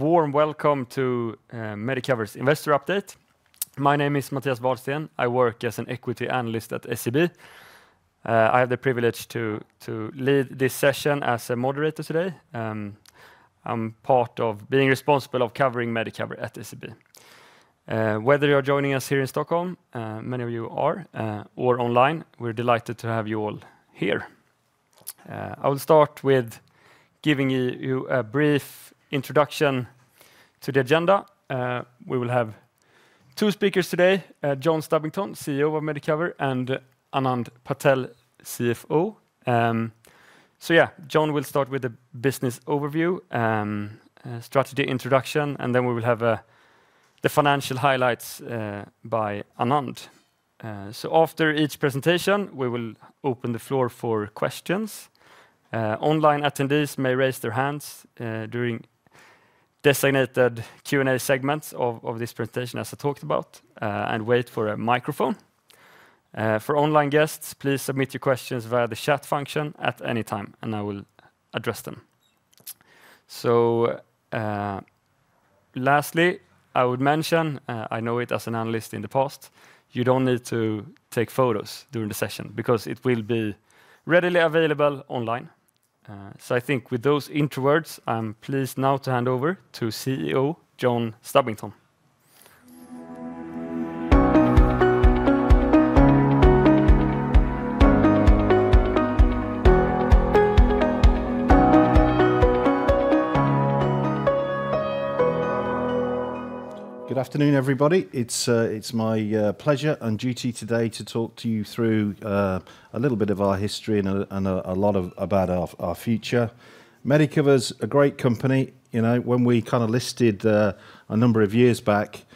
Warm welcome to Medicover's Investor Update. My name is Mattias Vadsten. I work as an equity analyst at SEB. I have the privilege to lead this session as a moderator today. I'm part of being responsible of covering Medicover at SEB. Whether you're joining us here in Stockholm, many of you are, or online, we're delighted to have you all here. I will start with giving you a brief introduction to the agenda. We will have two speakers today, John Stubbington, CEO of Medicover, and Anand Patel, CFO. So yeah, John will start with a business overview, a strategy introduction, and then we will have the financial highlights by Anand. So after each presentation, we will open the floor for questions. Online attendees may raise their hands during designated Q&A segments of this presentation, as I talked about, and wait for a microphone. For online guests, please submit your questions via the chat function at any time, and I will address them. So, lastly, I would mention, I know it as an analyst in the past, you don't need to take photos during the session because it will be readily available online. So I think with those intro words, I'm pleased now to hand over to CEO, John Stubbington. Good afternoon, everybody. It's my pleasure and duty today to talk to you through a little bit of our history and a lot about our future. Medicover's a great company. You know, when we kind of listed a number of years back,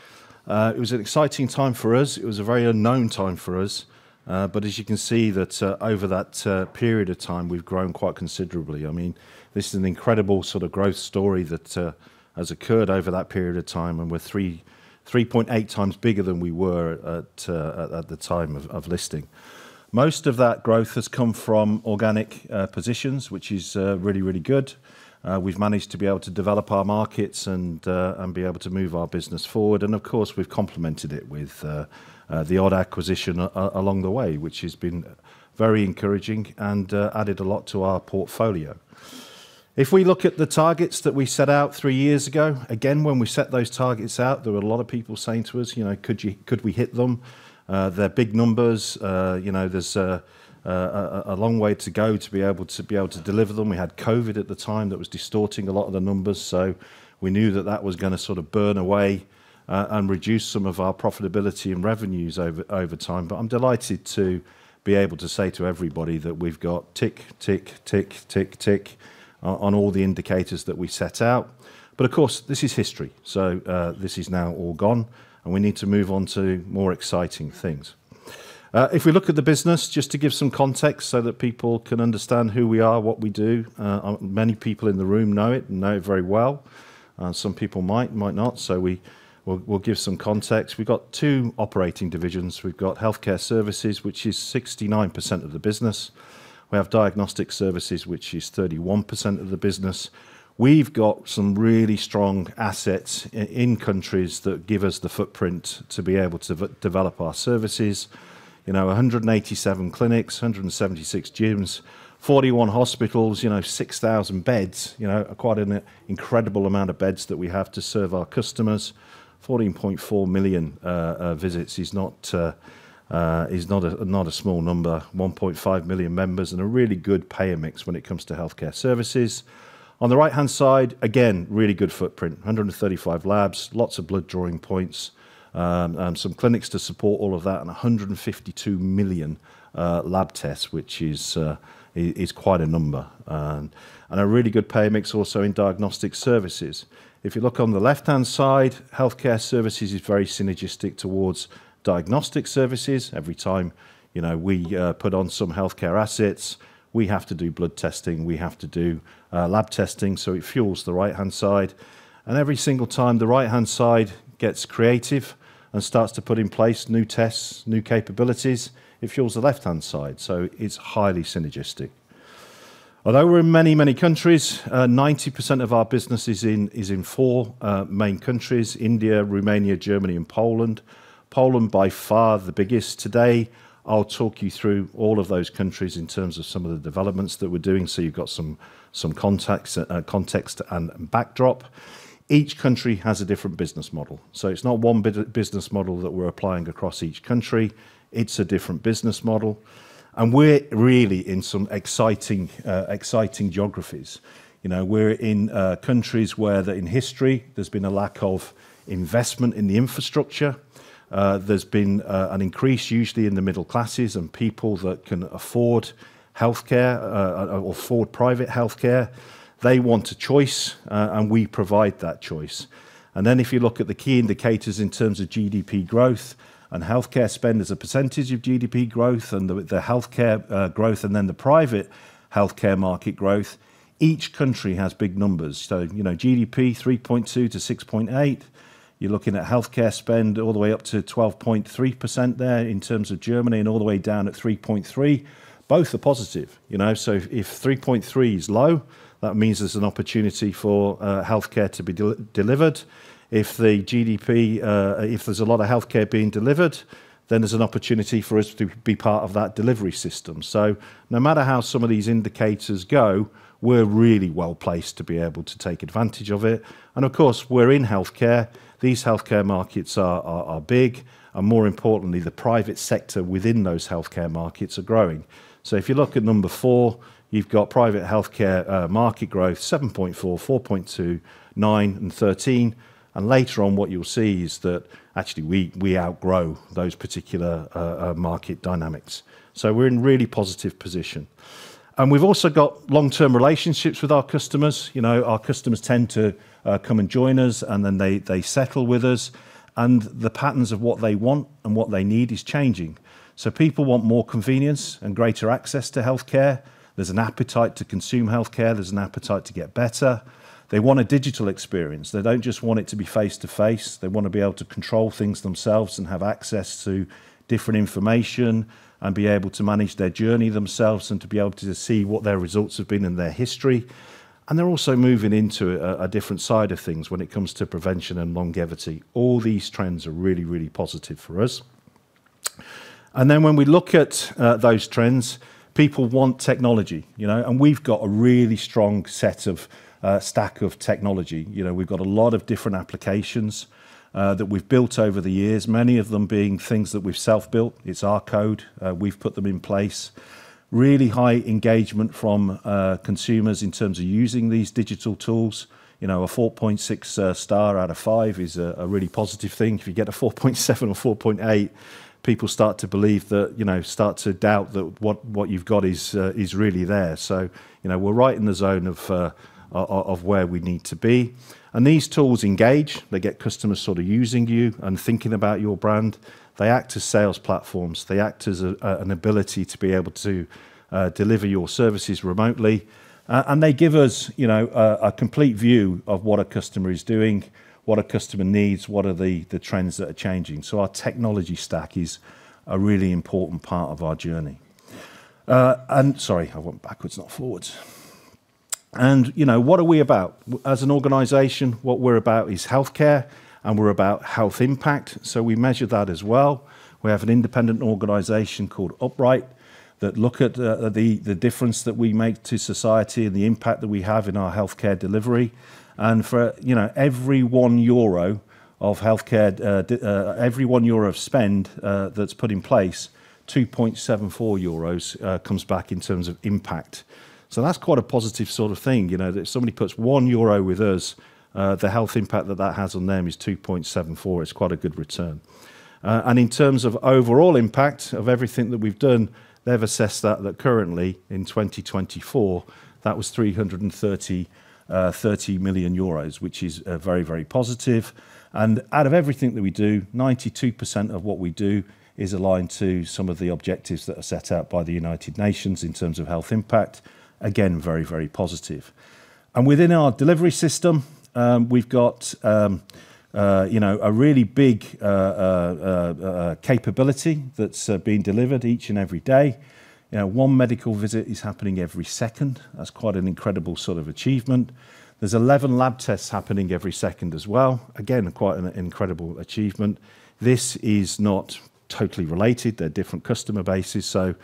it was an exciting time for us. It was a very unknown time for us, but as you can see that over that period of time, we've grown quite considerably. I mean, this is an incredible sort of growth story that has occurred over that period of time, and we're 3.8x bigger than we were at the time of listing. Most of that growth has come from organic positions, which is really, really good. We've managed to be able to develop our markets and be able to move our business forward, and of course, we've complemented it with the odd acquisition along the way, which has been very encouraging and added a lot to our portfolio. If we look at the targets that we set out three years ago, again, when we set those targets out, there were a lot of people saying to us, you know, could we hit them? They're big numbers. You know, there's a long way to go to be able to deliver them. We had COVID at the time, that was distorting a lot of the numbers, so we knew that that was gonna sort of burn away and reduce some of our profitability and revenues over time. But I'm delighted to be able to say to everybody that we've got tick, tick, tick, tick, tick on all the indicators that we set out. But of course, this is history, so this is now all gone, and we need to move on to more exciting things. If we look at the business, just to give some context so that people can understand who we are, what we do, many people in the room know it and know it very well. Some people might not, so we will give some context. We've got two operating divisions. We've got Healthcare Services, which is 69% of the business. We have Diagnostic Services, which is 31% of the business. We've got some really strong assets in countries that give us the footprint to be able to develop our services. You know, 187 clinics, 176 gyms, 41 hospitals, you know, 6,000 beds. You know, quite an incredible amount of beds that we have to serve our customers. 14.4 million visits is not a small number. 1.5 million members and a really good payer mix when it comes to Healthcare Services. On the right-hand side, again, really good footprint. 135 labs, lots of blood drawing points, and some clinics to support all of that, and 152 million lab tests, which is quite a number. And a really good payer mix also in Diagnostic Services. If you look on the left-hand side, Healthcare Services is very synergistic towards Diagnostic Services. Every time, you know, we put on some healthcare assets, we have to do blood testing, we have to do lab testing, so it fuels the right-hand side. And every single time the right-hand side gets creative and starts to put in place new tests, new capabilities, it fuels the left-hand side, so it's highly synergistic. Although we're in many, many countries, 90% of our business is in four main countries: India, Romania, Germany, and Poland. Poland, by far the biggest. Today, I'll talk you through all of those countries in terms of some of the developments that we're doing, so you've got some context and backdrop. Each country has a different business model, so it's not one business model that we're applying across each country. It's a different business model. We're really in some exciting geographies. You know, we're in countries where in history there's been a lack of investment in the infrastructure. There's been an increase usually in the middle classes and people that can afford healthcare, or afford private healthcare. They want a choice, and we provide that choice. Then if you look at the key indicators in terms of GDP growth and Healthcare spend as a percentage of GDP growth, and the Healthcare growth, and then the private healthcare market growth, each country has big numbers. So, you know, GDP 3.2%-6.8%. You're looking at Healthcare spend all the way up to 12.3% there in terms of Germany, and all the way down at 3.3%. Both are positive, you know? So if 3.3% is low, that means there's an opportunity for healthcare to be delivered. If the GDP, if there's a lot of healthcare being delivered, then there's an opportunity for us to be part of that delivery system. So no matter how some of these indicators go, we're really well-placed to be able to take advantage of it. And of course, we're in healthcare. These healthcare markets are big, and more importantly, the private sector within those healthcare markets are growing. So if you look at number four, you've got private healthcare market growth, 7.4%, 4.2%, 9%, and 13%, and later on, what you'll see is that actually, we outgrow those particular market dynamics. So we're in a really positive position. And we've also got long-term relationships with our customers. You know, our customers tend to come and join us, and then they settle with us, and the patterns of what they want and what they need is changing. So people want more convenience and greater access to healthcare. There's an appetite to consume healthcare. There's an appetite to get better. They want a digital experience. They don't just want it to be face-to-face. They want to be able to control things themselves and have access to different information, and be able to manage their journey themselves, and to be able to see what their results have been and their history. And they're also moving into a different side of things when it comes to prevention and longevity. All these trends are really, really positive for us. And then, when we look at those trends, people want technology, you know, and we've got a really strong set of stack of technology. You know, we've got a lot of different applications that we've built over the years, many of them being things that we've self-built. It's our code. We've put them in place. Really high engagement from consumers in terms of using these digital tools. You know, a 4.6-star out of 5 is a really positive thing. If you get a 4.7 or 4.8, people start to believe that, you know, start to doubt that what you've got is really there. So, you know, we're right in the zone of where we need to be. And these tools engage. They get customers sort of using you and thinking about your brand. They act as sales platforms. They act as an ability to be able to deliver your services remotely, and they give us, you know, a complete view of what a customer is doing, what a customer needs, what are the trends that are changing. So our technology stack is a really important part of our journey. And sorry, I want backwards, not forwards. And, you know, what are we about? We, as an organization, what we're about is healthcare, and we're about health impact, so we measure that as well. We have an independent organization called Upright that look at the difference that we make to society and the impact that we have in our Healthcare delivery. For, you know, every 1 euro of healthcare, every 1 euro of spend, that's put in place, 2.74 euros comes back in terms of impact. So that's quite a positive sort of thing, you know, that if somebody puts 1 euro with us, the health impact that that has on them is 2.74. It's quite a good return. And in terms of overall impact of everything that we've done, they've assessed that, that currently, in 2024, that was 330 million euros, which is, very, very positive. And out of everything that we do, 92% of what we do is aligned to some of the objectives that are set out by the United Nations in terms of health impact. Again, very, very positive. Within our delivery system, we've got, you know, a really big capability that's being delivered each and every day. You know, one medical visit is happening every second. That's quite an incredible sort of achievement. There's 11 lab tests happening every second as well. Again, quite an incredible achievement. This is not totally related. They're different customer bases, so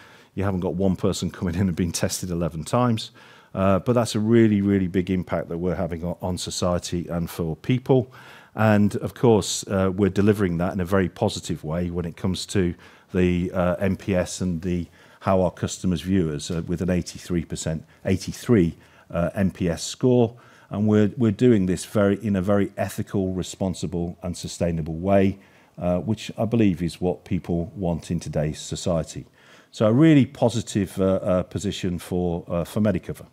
you haven't got one person coming in and being tested 11 times. But that's a really, really big impact that we're having on society and for people. And of course, we're delivering that in a very positive way when it comes to the NPS and the how our customers view us with an 83%, 83%, NPS score. And we're doing this in a very ethical, responsible, and sustainable way, which I believe is what people want in today's society. So a really positive position for Medicover.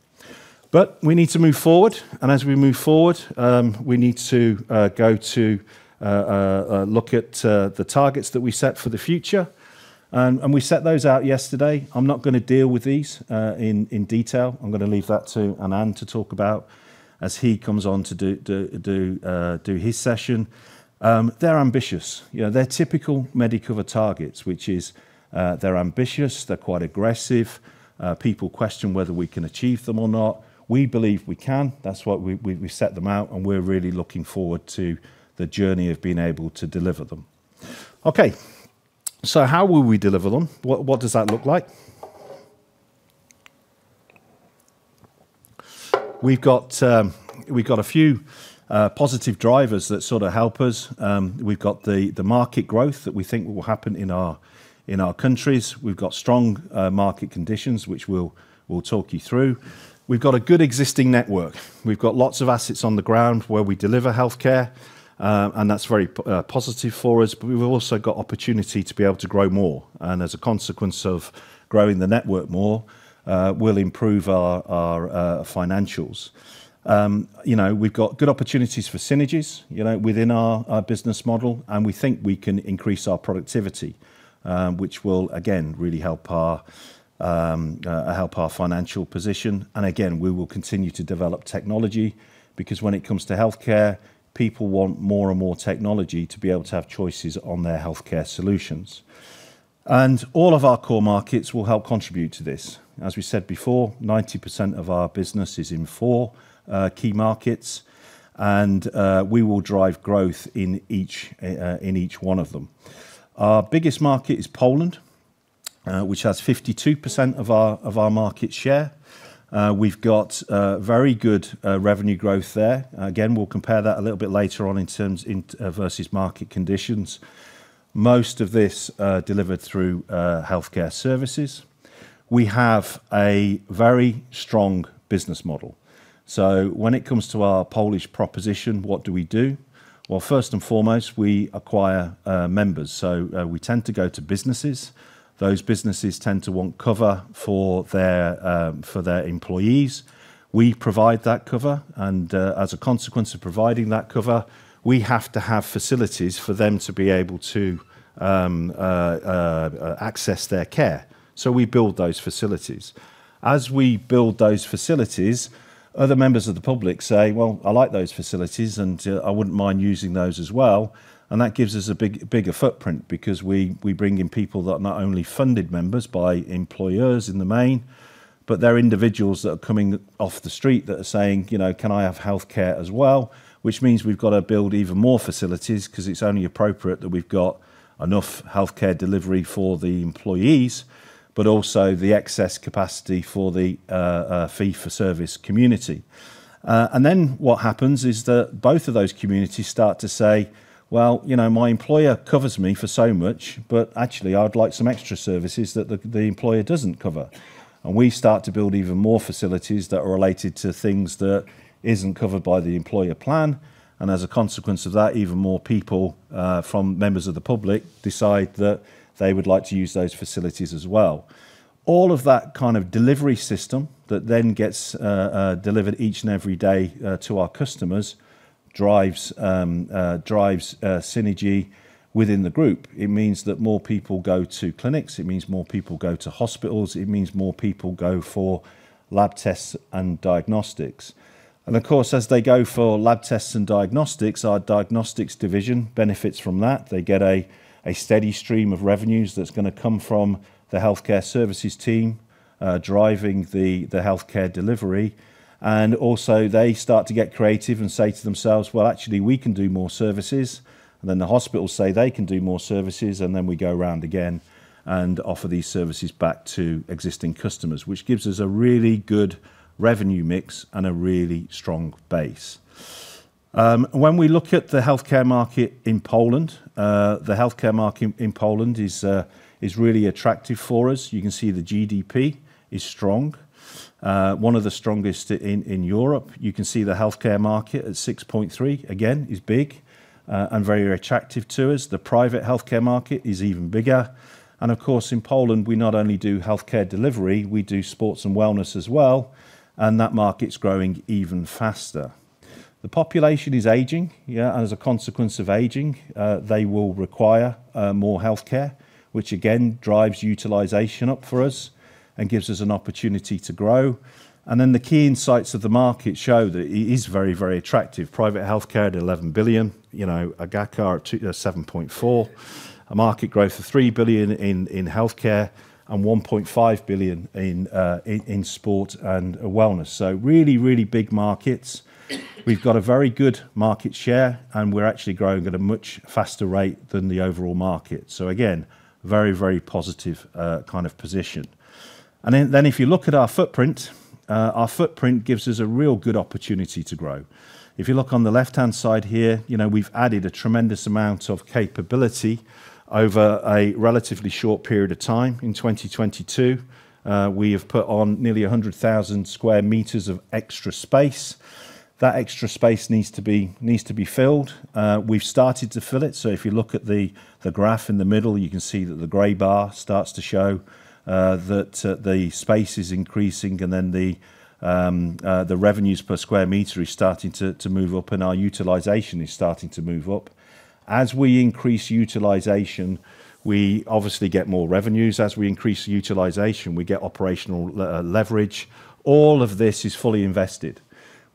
But we need to move forward, and as we move forward, we need to go to look at the targets that we set for the future. And we set those out yesterday. I'm not gonna deal with these in detail. I'm gonna leave that to Joe to talk about as he comes on to do his session. They're ambitious. You know, they're typical Medicover targets, which is they're ambitious, they're quite aggressive. People question whether we can achieve them or not. We believe we can. That's why we set them out, and we're really looking forward to the journey of being able to deliver them. Okay, so how will we deliver them? What does that look like? .We've got a few positive drivers that sort of help us. We've got the market growth that we think will happen in our countries. We've got strong market conditions, which we'll talk you through. We've got a good existing network. We've got lots of assets on the ground where we deliver healthcare, and that's very positive for us, but we've also got opportunity to be able to grow more. And as a consequence of growing the network more, we'll improve our financials. You know, we've got good opportunities for synergies, you know, within our business model, and we think we can increase our productivity, which will, again, really help our financial position. And again, we will continue to develop technology, because when it comes to healthcare, people want more and more technology to be able to have choices on their healthcare solutions. And all of our core markets will help contribute to this. As we said before, 90% of our business is in four key markets, and we will drive growth in each one of them. Our biggest market is Poland, which has 52% of our market share. We've got very good revenue growth there. Again, we'll compare that a little bit later on in terms, versus market conditions. Most of this delivered through Healthcare Services. We have a very strong business model. So when it comes to our Polish proposition, what do we do? Well, first and foremost, we acquire members. So we tend to go to businesses. Those businesses tend to want cover for their employees. We provide that cover, and as a consequence of providing that cover, we have to have facilities for them to be able to access their care. So we build those facilities. As we build those facilities, other members of the public say, "Well, I like those facilities, and I wouldn't mind using those as well." And that gives us a bigger footprint because we bring in people that are not only funded members by employers in the main, but they're individuals that are coming off the street that are saying, you know, "Can I have healthcare as well?" Which means we've got to build even more facilities 'cause it's only appropriate that we've got enough healthcare delivery for the employees, but also the excess capacity for the fee-for-service community. And then what happens is that both of those communities start to say, "Well, you know, my employer covers me for so much, but actually, I'd like some extra services that the employer doesn't cover." And we start to build even more facilities that are related to things that isn't covered by the employer plan, and as a consequence of that, even more people from members of the public decide that they would like to use those facilities as well. All of that kind of delivery system that then gets delivered each and every day to our customers drives synergy within the group. It means that more people go to clinics, it means more people go to hospitals, it means more people go for lab tests and diagnostics. Of course, as they go for lab tests and diagnostics, our Diagnostics division benefits from that. They get a steady stream of revenues that's gonna come from the Healthcare Services team driving the healthcare delivery. And also, they start to get creative and say to themselves, "Well, actually, we can do more services." And then the hospitals say they can do more services, and then we go around again and offer these services back to existing customers, which gives us a really good revenue mix and a really strong base. When we look at the healthcare market in Poland, the healthcare market in Poland is really attractive for us. You can see the GDP is strong, one of the strongest in Europe. You can see the healthcare market at 6.3, again, is big, and very attractive to us. The private healthcare market is even bigger. And of course, in Poland, we not only do healthcare delivery, we do Sports and Wellness as well, and that market's growing even faster. The population is aging, yeah, and as a consequence of aging, they will require, more healthcare, which again, drives utilization up for us and gives us an opportunity to grow. Then the key insights of the market show that it is very, very attractive. Private healthcare at 11 billion, you know, CAGR at 2.7 billion, a market growth of 3 billion in Healthcare, and 1.5 billion in Sport and Wellness. So really, really big markets. We've got a very good market share, and we're actually growing at a much faster rate than the overall market. So again, very, very positive, kind of position. And then, then if you look at our footprint, our footprint gives us a real good opportunity to grow. If you look on the left-hand side here, you know, we've added a tremendous amount of capability over a relatively short period of time. In 2022, we have put on nearly 100,000 sq m of extra space. That extra space needs to be, needs to be filled. We've started to fill it. So if you look at the graph in the middle, you can see that the gray bar starts to show that the space is increasing, and then the revenues per square meter is starting to move up, and our utilization is starting to move up. As we increase utilization, we obviously get more revenues. As we increase utilization, we get operational leverage. All of this is fully invested.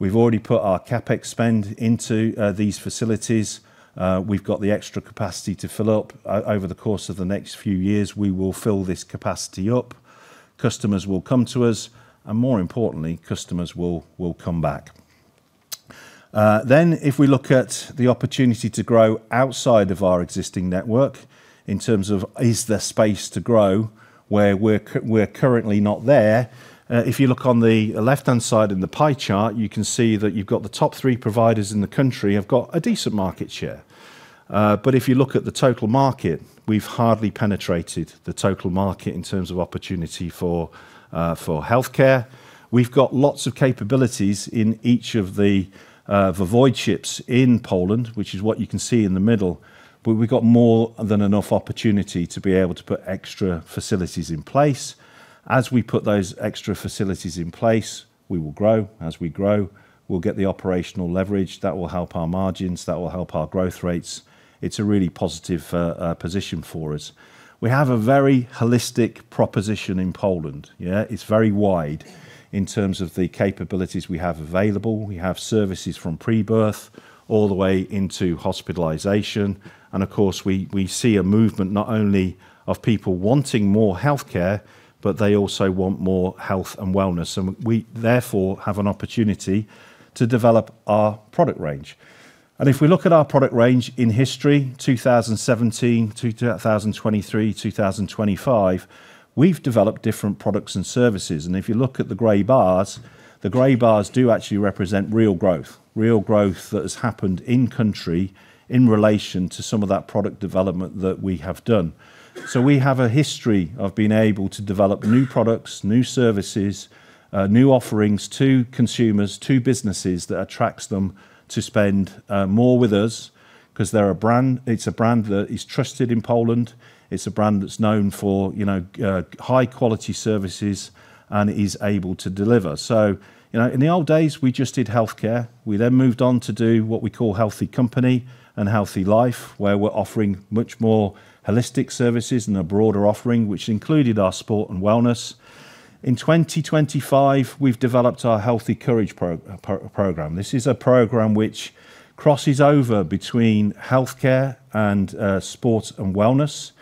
We've already put our CapEx spend into these facilities. We've got the extra capacity to fill up. Over the course of the next few years, we will fill this capacity up, customers will come to us, and more importantly, customers will come back. Then if we look at the opportunity to grow outside of our existing network, in terms of is there space to grow where we're currently not there? If you look on the left-hand side in the pie chart, you can see that you've got the top three providers in the country have got a decent market share. But if you look at the total market, we've hardly penetrated the total market in terms of opportunity for Healthcare. We've got lots of capabilities in each of the voivodeships in Poland, which is what you can see in the middle, but we've got more than enough opportunity to be able to put extra facilities in place. As we put those extra facilities in place, we will grow. As we grow, we'll get the operational leverage that will help our margins, that will help our growth rates. It's a really positive position for us. We have a very holistic proposition in Poland. Yeah, it's very wide in terms of the capabilities we have available. We have services from pre-birth all the way into hospitalization, and of course, we see a movement not only of people wanting more healthcare, but they also want more health and wellness, and we therefore have an opportunity to develop our product range. And if we look at our product range in history, 2017-2023, 2025, we've developed different products and services, and if you look at the grey bars, the grey bars do actually represent real growth. Real growth that has happened in country in relation to some of that product development that we have done. So we have a history of being able to develop new products, new services, new offerings to consumers, to businesses, that attracts them to spend more with us 'cause it's a brand that is trusted in Poland. It's a brand that's known for, you know, high-quality services and is able to deliver. So, you know, in the old days, we just did healthcare. We then moved on to do what we call Healthy Company and Healthy Life, where we're offering much more holistic services and a broader offering, which included our Sport and Wellness. In 2025, we've developed our Healthy Change Program. This is a program which crosses over between Healthcare and Sport and Wellness.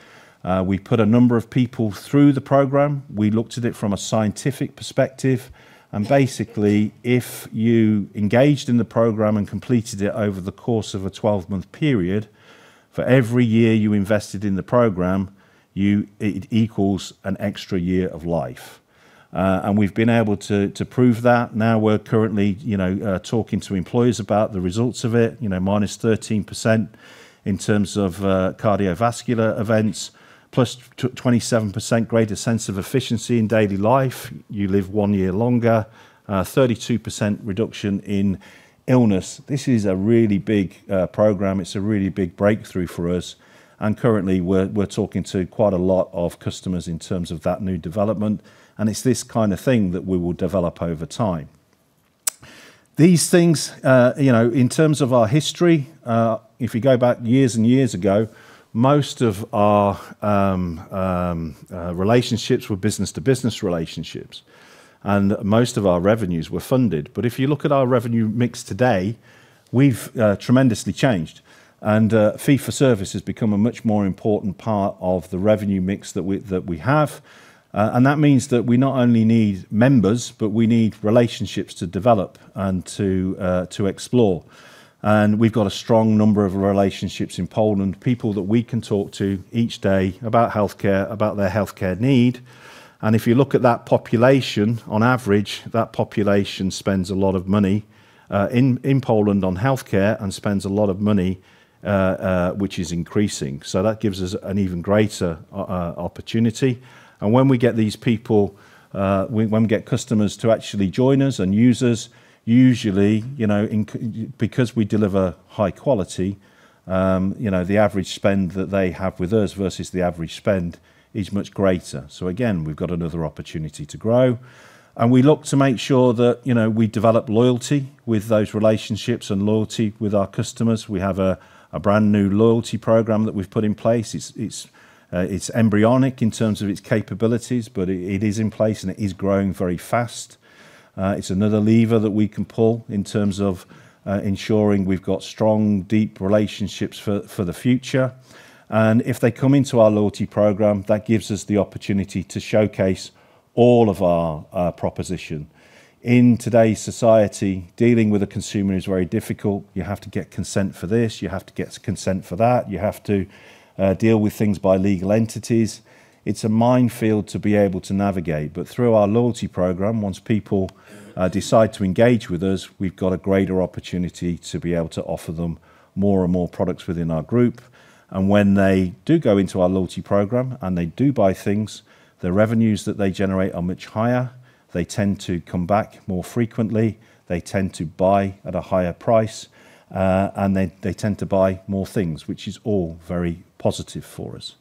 We put a number of people through the program. We looked at it from a scientific perspective, and basically, if you engaged in the program and completed it over the course of a 12-month period, for every year you invested in the program, you and equals an extra year of life. And we've been able to prove that. Now, we're currently, you know, talking to employees about the results of it, you know, -13% in terms of cardiovascular events, plus 27% greater sense of efficiency in daily life. You live one year longer, 32% reduction in illness. This is a really big program. It's a really big breakthrough for us, and currently, we're talking to quite a lot of customers in terms of that new development, and it's this kind of thing that we will develop over time. These things, you know, in terms of our history, if you go back years and years ago, most of our relationships were business-to-business relationships, and most of our revenues were funded. But if you look at our revenue mix today, we've tremendously changed, and fee-for-service has become a much more important part of the revenue mix that we have. And that means that we not only need members, but we need relationships to develop and to explore. And we've got a strong number of relationships in Poland, people that we can talk to each day about healthcare, about their healthcare need. And if you look at that population, on average, that population spends a lot of money in Poland on healthcare and spends a lot of money, which is increasing. So that gives us an even greater opportunity. And when we get these people, when we get customers to actually join us and use us, usually, you know, because we deliver high quality, you know, the average spend that they have with us versus the average spend is much greater. So again, we've got another opportunity to grow, and we look to make sure that, you know, we develop loyalty with those relationships and loyalty with our customers. We have a brand new loyalty program that we've put in place. It's embryonic in terms of its capabilities, but it is in place, and it is growing very fast. It's another lever that we can pull in terms of ensuring we've got strong, deep relationships for the future. And if they come into our loyalty program, that gives us the opportunity to showcase all of our proposition. In today's society, dealing with a consumer is very difficult. You have to get consent for this, you have to get consent for that, you have to deal with things by legal entities. It's a minefield to be able to navigate, but through our loyalty program, once people decide to engage with us, we've got a greater opportunity to be able to offer them more and more products within our group. When they do go into our loyalty program, and they do buy things, the revenues that they generate are much higher. They tend to come back more frequently, they tend to buy at a higher price, and they tend to buy more things, which is all very positive for us.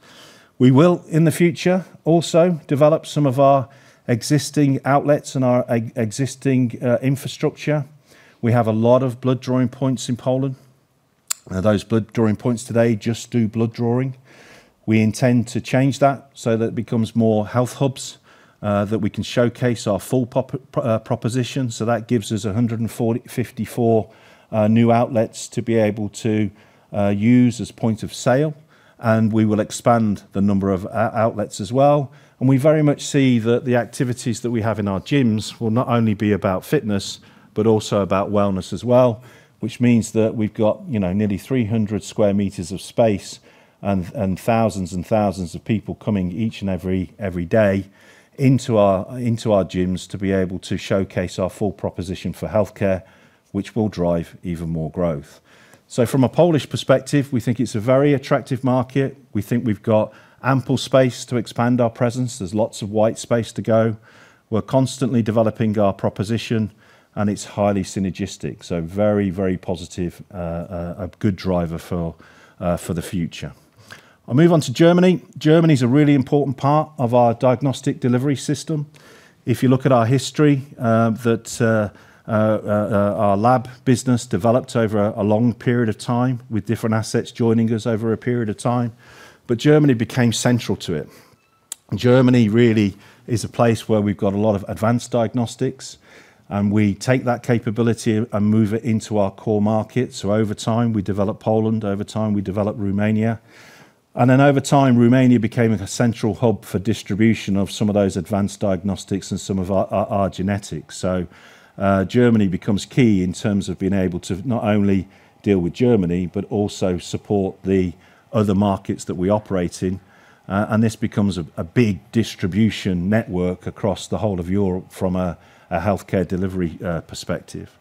We will, in the future, also develop some of our existing outlets and our existing infrastructure. We have a lot of blood drawing points in Poland. Those blood drawing points today just do blood drawing. We intend to change that so that it becomes more health hubs that we can showcase our full proposition, so that gives us 154 new outlets to be able to use as points of sale, and we will expand the number of outlets as well. And we very much see that the activities that we have in our gyms will not only be about fitness, but also about wellness as well, which means that we've got, you know, nearly 300 sq m of space and thousands and thousands of people coming each and every day into our gyms to be able to showcase our full proposition for healthcare, which will drive even more growth. So from a Polish perspective, we think it's a very attractive market. We think we've got ample space to expand our presence. There's lots of white space to go. We're constantly developing our proposition, and it's highly synergistic, so very, very positive, a good driver for the future. I'll move on to Germany. Germany is a really important part of our Diagnostic Delivery System. If you look at our history, our lab business developed over a long period of time, with different assets joining us over a period of time, but Germany became central to it. Germany really is a place where we've got a lot of advanced diagnostics, and we take that capability and move it into our core market. So over time, we develop Poland, over time, we develop Romania, and then over time, Romania became a central hub for distribution of some of those advanced diagnostics and some of our Genetics. So, Germany becomes key in terms of being able to not only deal with Germany, but also support the other markets that we operate in. And this becomes a big distribution network across the whole of Europe from a healthcare delivery perspective.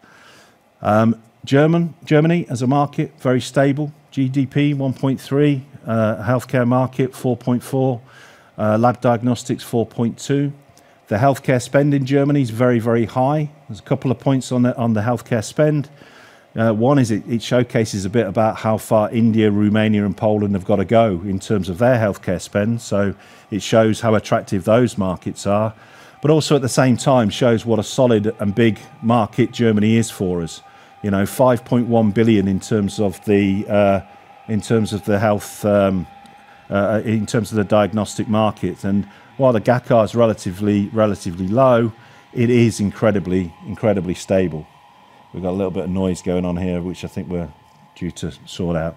Germany as a market, very stable. GDP 1.3%, healthcare market 4.4%, lab diagnostics 4.2%. The Healthcare spend in Germany is very, very high. There's a couple of points on the Healthcare spend. One is it showcases a bit about how far India, Romania, and Poland have got to go in terms of their Healthcare spend, so it shows how attractive those markets are, but also, at the same time, shows what a solid and big market Germany is for us. You know, 5.1 billion in terms of the diagnostic markets. While the CAGR is relatively, relatively low, it is incredibly, incredibly stable. We've got a little bit of noise going on here, which I think we're due to sort out.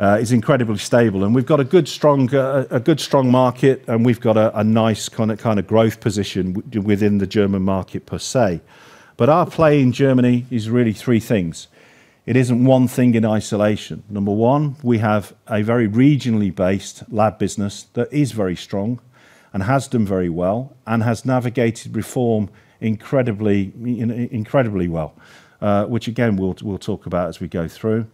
It's incredibly stable, and we've got a good, strong, a good, strong market, and we've got a nice kind of, kind of growth position within the German market per se. But our play in Germany is really three things. It isn't one thing in isolation. Number one, we have a very regionally-based lab business that is very strong and has done very well and has navigated reform incredibly, incredibly well, which again, we'll talk about as we go through.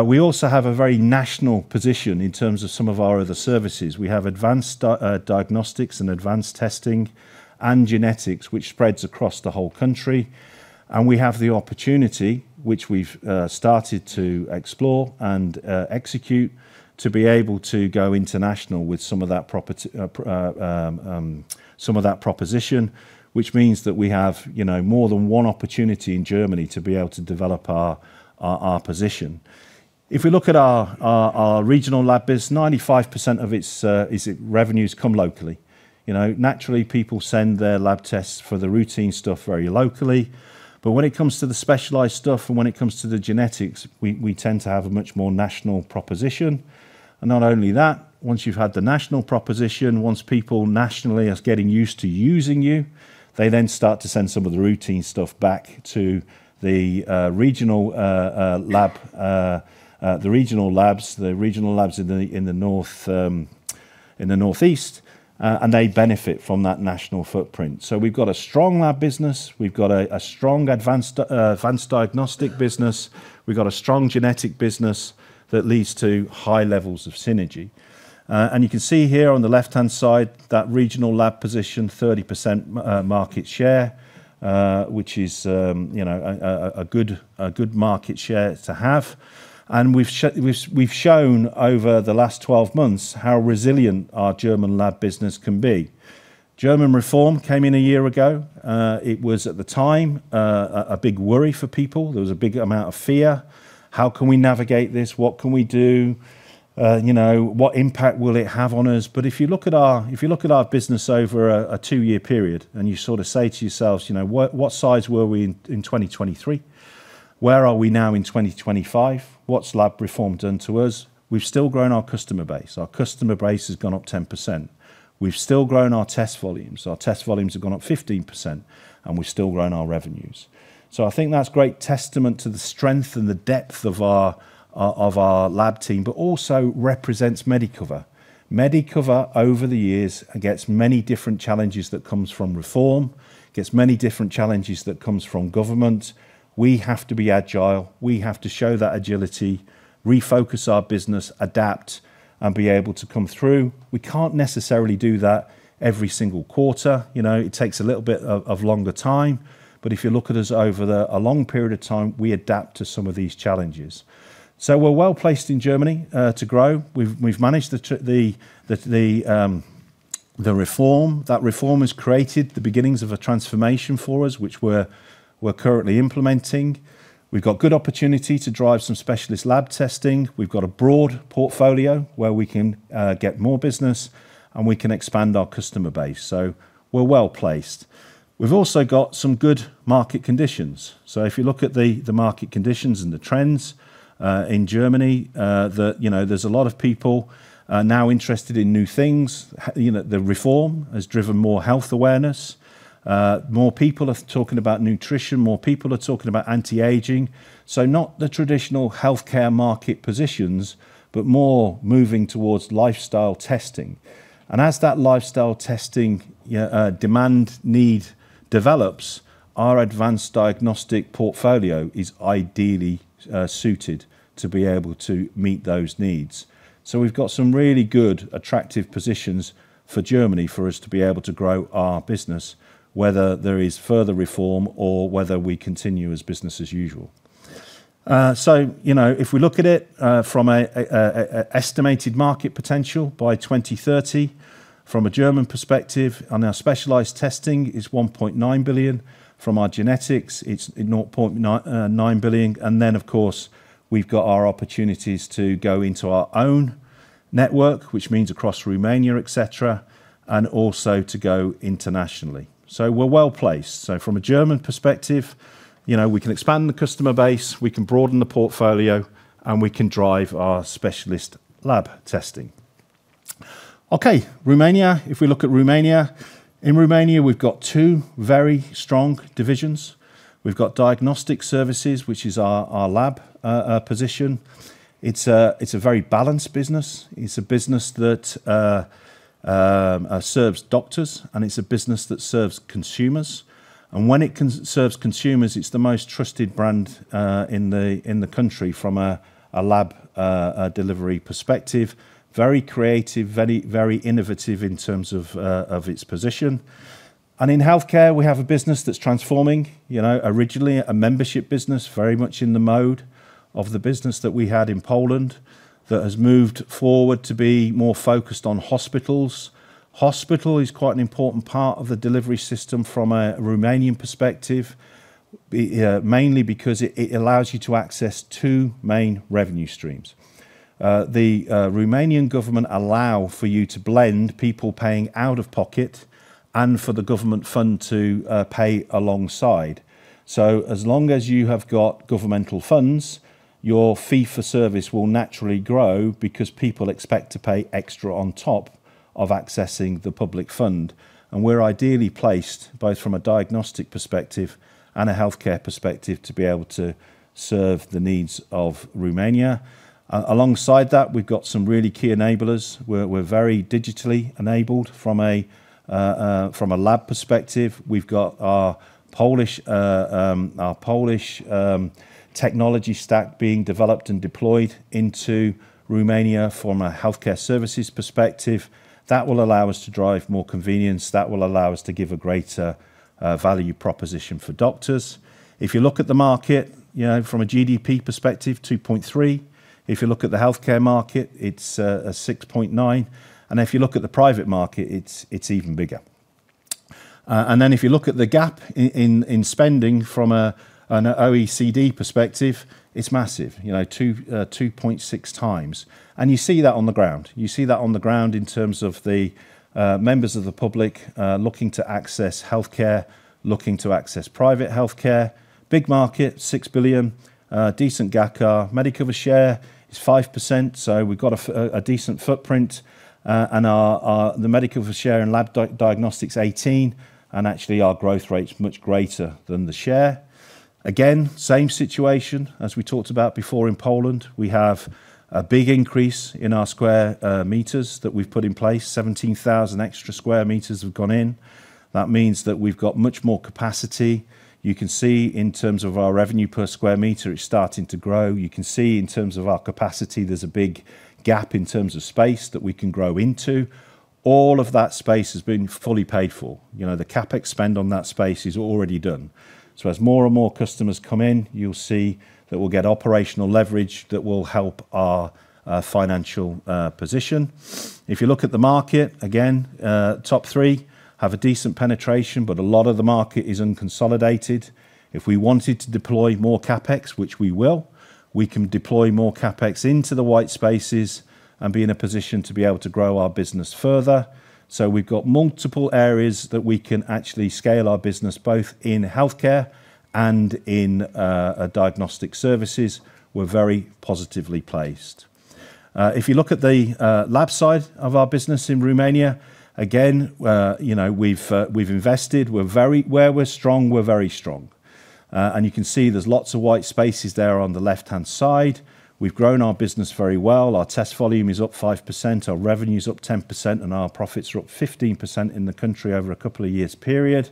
We also have a very national position in terms of some of our other services. We have advanced diagnostics and advanced testing and Genetics, which spreads across the whole country, and we have the opportunity, which we've started to explore and execute, to be able to go international with some of that property. Some of that proposition, which means that we have, you know, more than one opportunity in Germany to be able to develop our position. If we look at our regional lab business, 95% of its revenues come locally. You know, naturally, people send their lab tests for the routine stuff very locally, but when it comes to the specialized stuff and when it comes to the Genetics, we tend to have a much more national proposition. And not only that, once you've had the national proposition, once people nationally are getting used to using you, they then start to send some of the routine stuff back to the regional labs, the regional labs in the north, in the northeast, and they benefit from that national footprint. So we've got a strong lab business, we've got a strong advanced diagnostic business, we've got a strong genetic business that leads to high levels of synergy. And you can see here on the left-hand side, that regional lab position, 30% market share, which is, you know, a good market share to have. And we've shown over the last twelve months how resilient our German lab business can be. German reform came in a year ago. It was, at the time, a big worry for people. There was a big amount of fear. How can we navigate this? What can we do? You know, what impact will it have on us? But if you look at our business over a two-year period, and you sort of say to yourselves, "You know, what size were we in 2023? Where are we now in 2025? What's lab reform done to us?" We've still grown our customer base. Our customer base has gone up 10%. We've still grown our test volumes. Our test volumes have gone up 15%, and we've still grown our revenues. So I think that's great testament to the strength and the depth of our lab team, but also represents Medicover. Medicover, over the years, against many different challenges that comes from reform, against many different challenges that comes from government, we have to be agile. We have to show that agility, refocus our business, adapt, and be able to come through. We can't necessarily do that every single quarter. You know, it takes a little bit of longer time, but if you look at us over a long period of time, we adapt to some of these challenges. So we're well-placed in Germany to grow. We've managed the reform. That reform has created the beginnings of a transformation for us, which we're currently implementing. We've got good opportunity to drive some specialist lab testing. We've got a broad portfolio where we can get more business, and we can expand our customer base. So we're well-placed. We've also got some good market conditions. So if you look at the market conditions and the trends in Germany, you know, there's a lot of people now interested in new things. You know, the reform has driven more health awareness. More people are talking about nutrition, more people are talking about anti-aging. So not the traditional healthcare market positions, but more moving towards lifestyle testing. And as that lifestyle testing demand, need develops, our advanced diagnostic portfolio is ideally suited to be able to meet those needs. So we've got some really good, attractive positions for Germany for us to be able to grow our business, whether there is further reform or whether we continue as business as usual. So, you know, if we look at it from a estimated market potential by 2030, from a German perspective on our specialized testing is 1.9 billion. From our Genetics, it's 0.9 billion, and then, of course, we've got our opportunities to go into our own network, which means across Romania, et cetera, and also to go internationally. So we're well-placed. So from a German perspective, you know, we can expand the customer base, we can broaden the portfolio, and we can drive our specialist lab testing. Okay, Romania. If we look at Romania, in Romania, we've got two very strong divisions. We've got Diagnostic Services, which is our lab position. It's a very balanced business. It's a business that serves doctors, and it's a business that serves consumers. And when it serves consumers, it's the most trusted brand in the country from a lab delivery perspective. Very creative, very, very innovative in terms of its position. In Healthcare, we have a business that's transforming. You know, originally, a membership business, very much in the mode of the business that we had in Poland, that has moved forward to be more focused on hospitals. Hospital is quite an important part of the delivery system from a Romanian perspective, mainly because it allows you to access two main revenue streams. The Romanian government allow for you to blend people paying out of pocket and for the government fund to pay alongside. So as long as you have got governmental funds, your fee-for-service will naturally grow because people expect to pay extra on top of accessing the public fund. And we're ideally placed, both from a Diagnostic perspective and a Healthcare perspective, to be able to serve the needs of Romania. Alongside that, we've got some really key enablers. We're very digitally enabled from a lab perspective. We've got our Polish technology stack being developed and deployed into Romania from a Healthcare Services perspective. That will allow us to drive more convenience, that will allow us to give a greater value proposition for doctors. If you look at the market, you know, from a GDP perspective, 2.3%. If you look at the healthcare market, it's a 6.9%, and if you look at the private market, it's even bigger. Then if you look at the gap in spending from an OECD perspective, it's massive, you know, 2.6x. You see that on the ground. You see that on the ground in terms of the members of the public looking to access healthcare, looking to access private healthcare. Big market, 6 billion, decent CAGR. Medicover share is 5%, so we've got a decent footprint, and the Medicover share in lab diagnostics, 18%, and actually, our growth rate's much greater than the share. Again, same situation as we talked about before in Poland. We have a big increase in our square meters that we've put in place. 17,000 extra sq m have gone in. That means that we've got much more capacity. You can see in terms of our revenue per square meter, it's starting to grow. You can see in terms of our capacity, there's a big gap in terms of space that we can grow into. All of that space has been fully paid for. You know, the CapEx spend on that space is already done. So as more and more customers come in, you'll see that we'll get operational leverage that will help our financial position. If you look at the market, again, top three have a decent penetration, but a lot of the market is unconsolidated. If we wanted to deploy more CapEx, which we will, we can deploy more CapEx into the white spaces and be in a position to be able to grow our business further. So we've got multiple areas that we can actually scale our business, both in Healthcare and in Diagnostic Services. We're very positively placed. If you look at the lab side of our business in Romania, again, you know, we've invested. Where we're strong, we're very strong. And you can see there's lots of white spaces there on the left-hand side. We've grown our business very well. Our test volume is up 5%, our revenue is up 10%, and our profits are up 15% in the country over a couple of years period.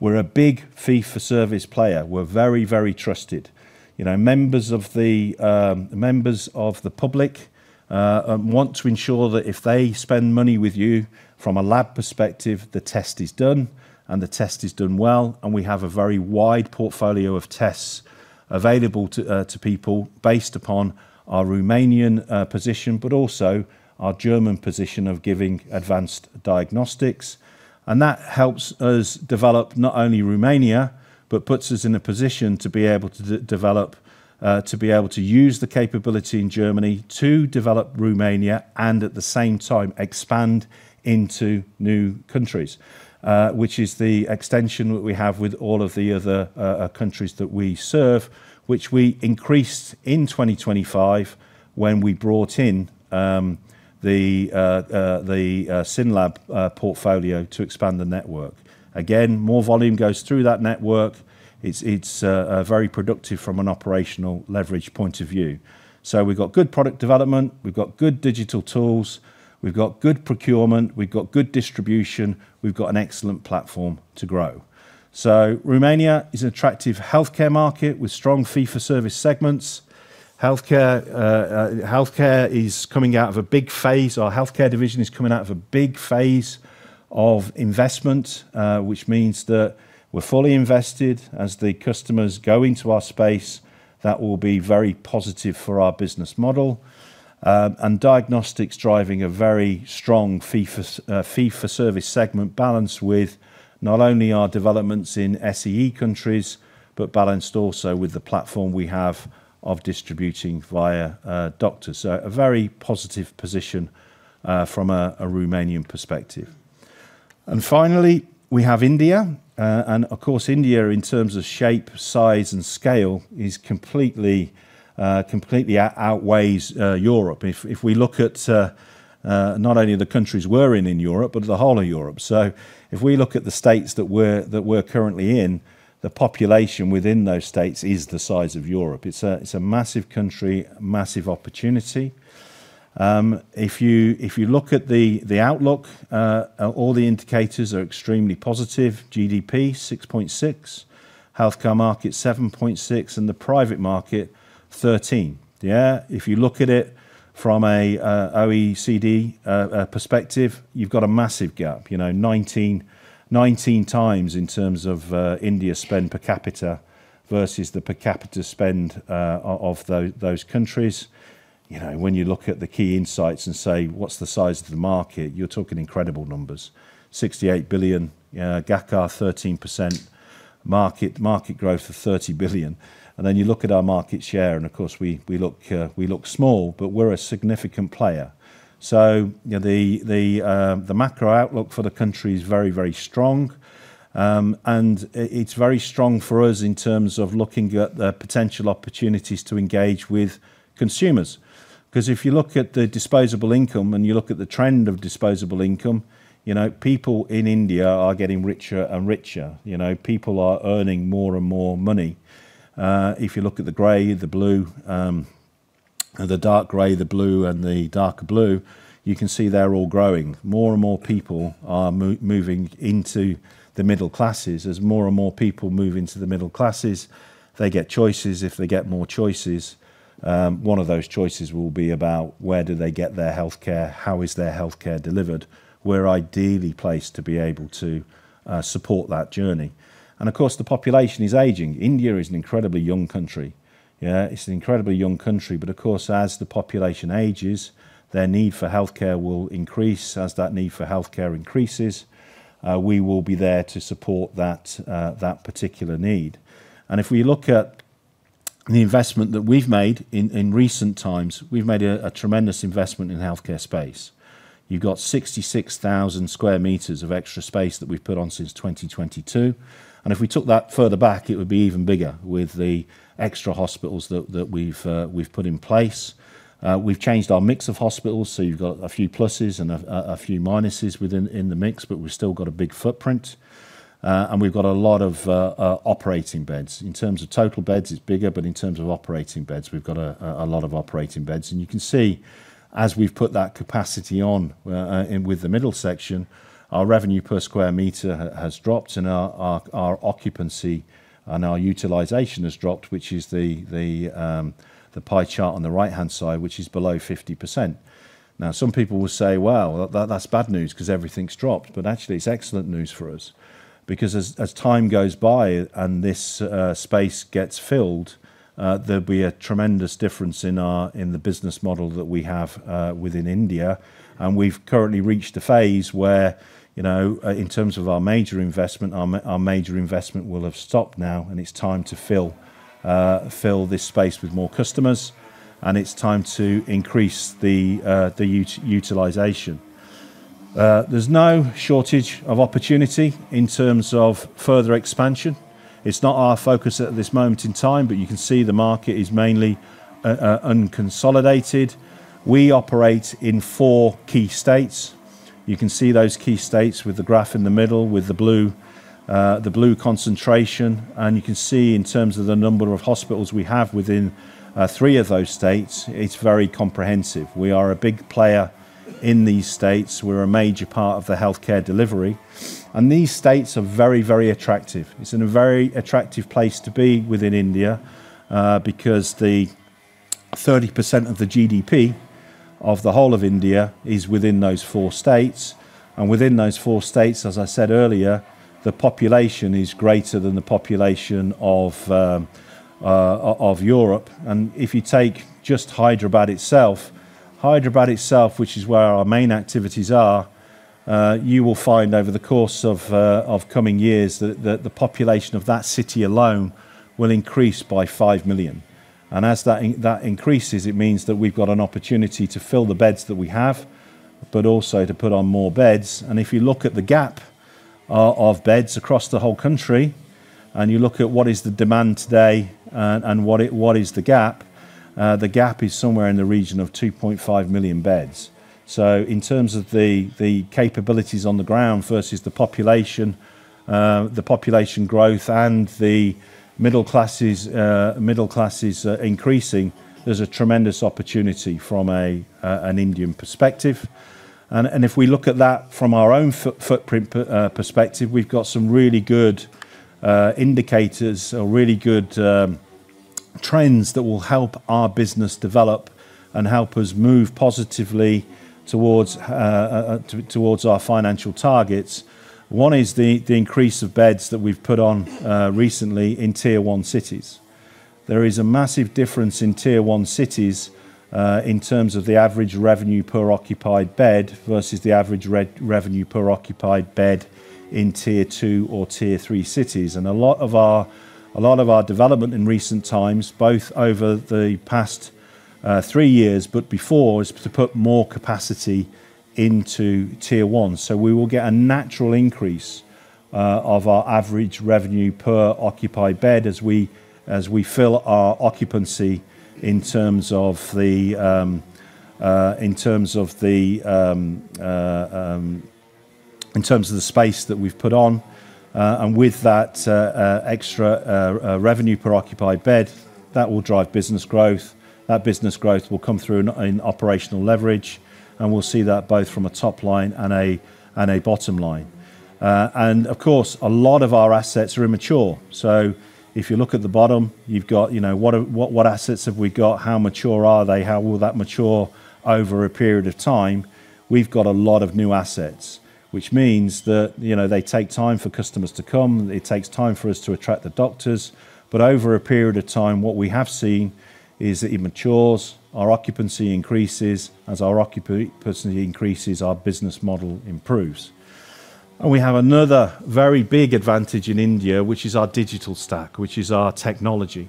We're a big fee-for-service player. We're very, very trusted. You know, members of the public want to ensure that if they spend money with you from a lab perspective, the test is done, and the test is done well, and we have a very wide portfolio of tests available to people based upon our Romanian position, but also our German position of giving advanced diagnostics. And that helps us develop not only Romania, but puts us in a position to be able to develop, to be able to use the capability in Germany to develop Romania and at the same time, expand into new countries, which is the extension that we have with all of the other countries that we serve, which we increased in 2025 when we brought in the SYNLAB portfolio to expand the network. Again, more volume goes through that network. It's very productive from an operational leverage point of view. So we've got good product development, we've got good digital tools, we've got good procurement, we've got good distribution, we've got an excellent platform to grow. So Romania is an attractive healthcare market with strong fee-for-service segments. Healthcare is coming out of a big phase. Our Healthcare division is coming out of a big phase of investment, which means that we're fully invested. As the customers go into our space, that will be very positive for our business model. And Diagnostics driving a very strong fee-for-service segment balance with not only our developments in SEE countries, but balanced also with the platform we have of distributing via doctors. So a very positive position from a Romanian perspective. Finally, we have India. And of course, India, in terms of shape, size, and scale, is completely outweighs Europe. If we look at not only the countries we're in Europe, but the whole of Europe. So if we look at the states that we're currently in, the population within those states is the size of Europe. It's a massive country, massive opportunity. If you look at the outlook, all the indicators are extremely positive. GDP, 6.6%; healthcare market, 7.6%; and the private market, 13%. Yeah, if you look at it from an OECD perspective, you've got a massive gap. You know, 19x in terms of India's spend per capita versus the per capita spend of those countries. You know, when you look at the key insights and say, "What's the size of the market?" You're talking incredible numbers. 68 billion, CAGR 13% market, market growth of 30 billion. And then you look at our market share, and of course, we look small, but we're a significant player. So, you know, the macro outlook for the country is very, very strong. And it's very strong for us in terms of looking at the potential opportunities to engage with consumers. 'Cause if you look at the disposable income, and you look at the trend of disposable income, you know, people in India are getting richer and richer. You know, people are earning more and more money. If you look at the gray, the blue, the dark gray, the blue, and the darker blue, you can see they're all growing. More and more people are moving into the middle classes. As more and more people move into the middle classes, they get choices. If they get more choices, one of those choices will be about: where do they get their healthcare? How is their healthcare delivered? We're ideally placed to be able to support that journey. And of course, the population is aging. India is an incredibly young country. Yeah, it's an incredibly young country, but of course, as the population ages, their need for healthcare will increase. As that need for healthcare increases, we will be there to support that, that particular need. If we look at the investment that we've made in recent times, we've made a tremendous investment in the Healthcare space. You've got 66,000 sq m of extra space that we've put on since 2022, and if we took that further back, it would be even bigger with the extra hospitals that we've put in place. We've changed our mix of hospitals, so you've got a few pluses and a few minuses within the mix, but we've still got a big footprint, and we've got a lot of operating beds. In terms of total beds, it's bigger, but in terms of operating beds, we've got a lot of operating beds. And you can see, as we've put that capacity online with the middle section, our revenue per square meter has dropped, and our occupancy and our utilization has dropped, which is the pie chart on the right-hand side, which is below 50%. Now, some people will say, "Well, that's bad news 'cause everything's dropped." But actually, it's excellent news for us because as time goes by and this space gets filled, there'll be a tremendous difference in our business model that we have within India. And we've currently reached a phase where, you know, in terms of our major investment, our major investment will have stopped now, and it's time to fill this space with more customers, and it's time to increase the utilization. There's no shortage of opportunity in terms of further expansion. It's not our focus at this moment in time, but you can see the market is mainly unconsolidated. We operate in four key states. You can see those key states with the graph in the middle, with the blue concentration, and you can see in terms of the number of hospitals we have within three of those states, it's very comprehensive. We are a big player in these states. We're a major part of the Healthcare delivery, and these states are very, very attractive. It's in a very attractive place to be within India, because the 30% of the GDP of the whole of India is within those four states, and within those four states, as I said earlier, the population is greater than the population of, of Europe. And if you take just Hyderabad itself, Hyderabad itself, which is where our main activities are, you will find over the course of, of coming years, that, that the population of that city alone will increase by 5 million. And as that that increases, it means that we've got an opportunity to fill the beds that we have, but also to put on more beds. And if you look at the gap of beds across the whole country, and you look at what is the demand today and what is the gap, the gap is somewhere in the region of 2.5 million beds. So in terms of the capabilities on the ground versus the population, the population growth and the middle classes increasing, there's a tremendous opportunity from an Indian perspective. And if we look at that from our own footprint perspective, we've got some really good indicators, a really good trends that will help our business develop and help us move positively towards our financial targets. One is the increase of beds that we've put on recently in Tier 1 cities. There is a massive difference in Tier 1 cities in terms of the average revenue per occupied bed versus the average revenue per occupied bed in Tier 2 or Tier 3 cities. And a lot of our development in recent times, both over the past three years but before, is to put more capacity into Tier 1. So we will get a natural increase of our average revenue per occupied bed as we fill our occupancy in terms of the space that we've put on. And with that extra revenue per occupied bed, that will drive business growth. That business growth will come through in operational leverage, and we'll see that both from a top line and a bottom line. And of course, a lot of our assets are immature. So if you look at the bottom, you've got, you know, what assets have we got? How mature are they? How will that mature over a period of time? We've got a lot of new assets, which means that, you know, they take time for customers to come, it takes time for us to attract the doctors. But over a period of time, what we have seen is it matures, our occupancy increases. As our occupancy increases, our business model improves. And we have another very big advantage in India, which is our digital stack, which is our technology.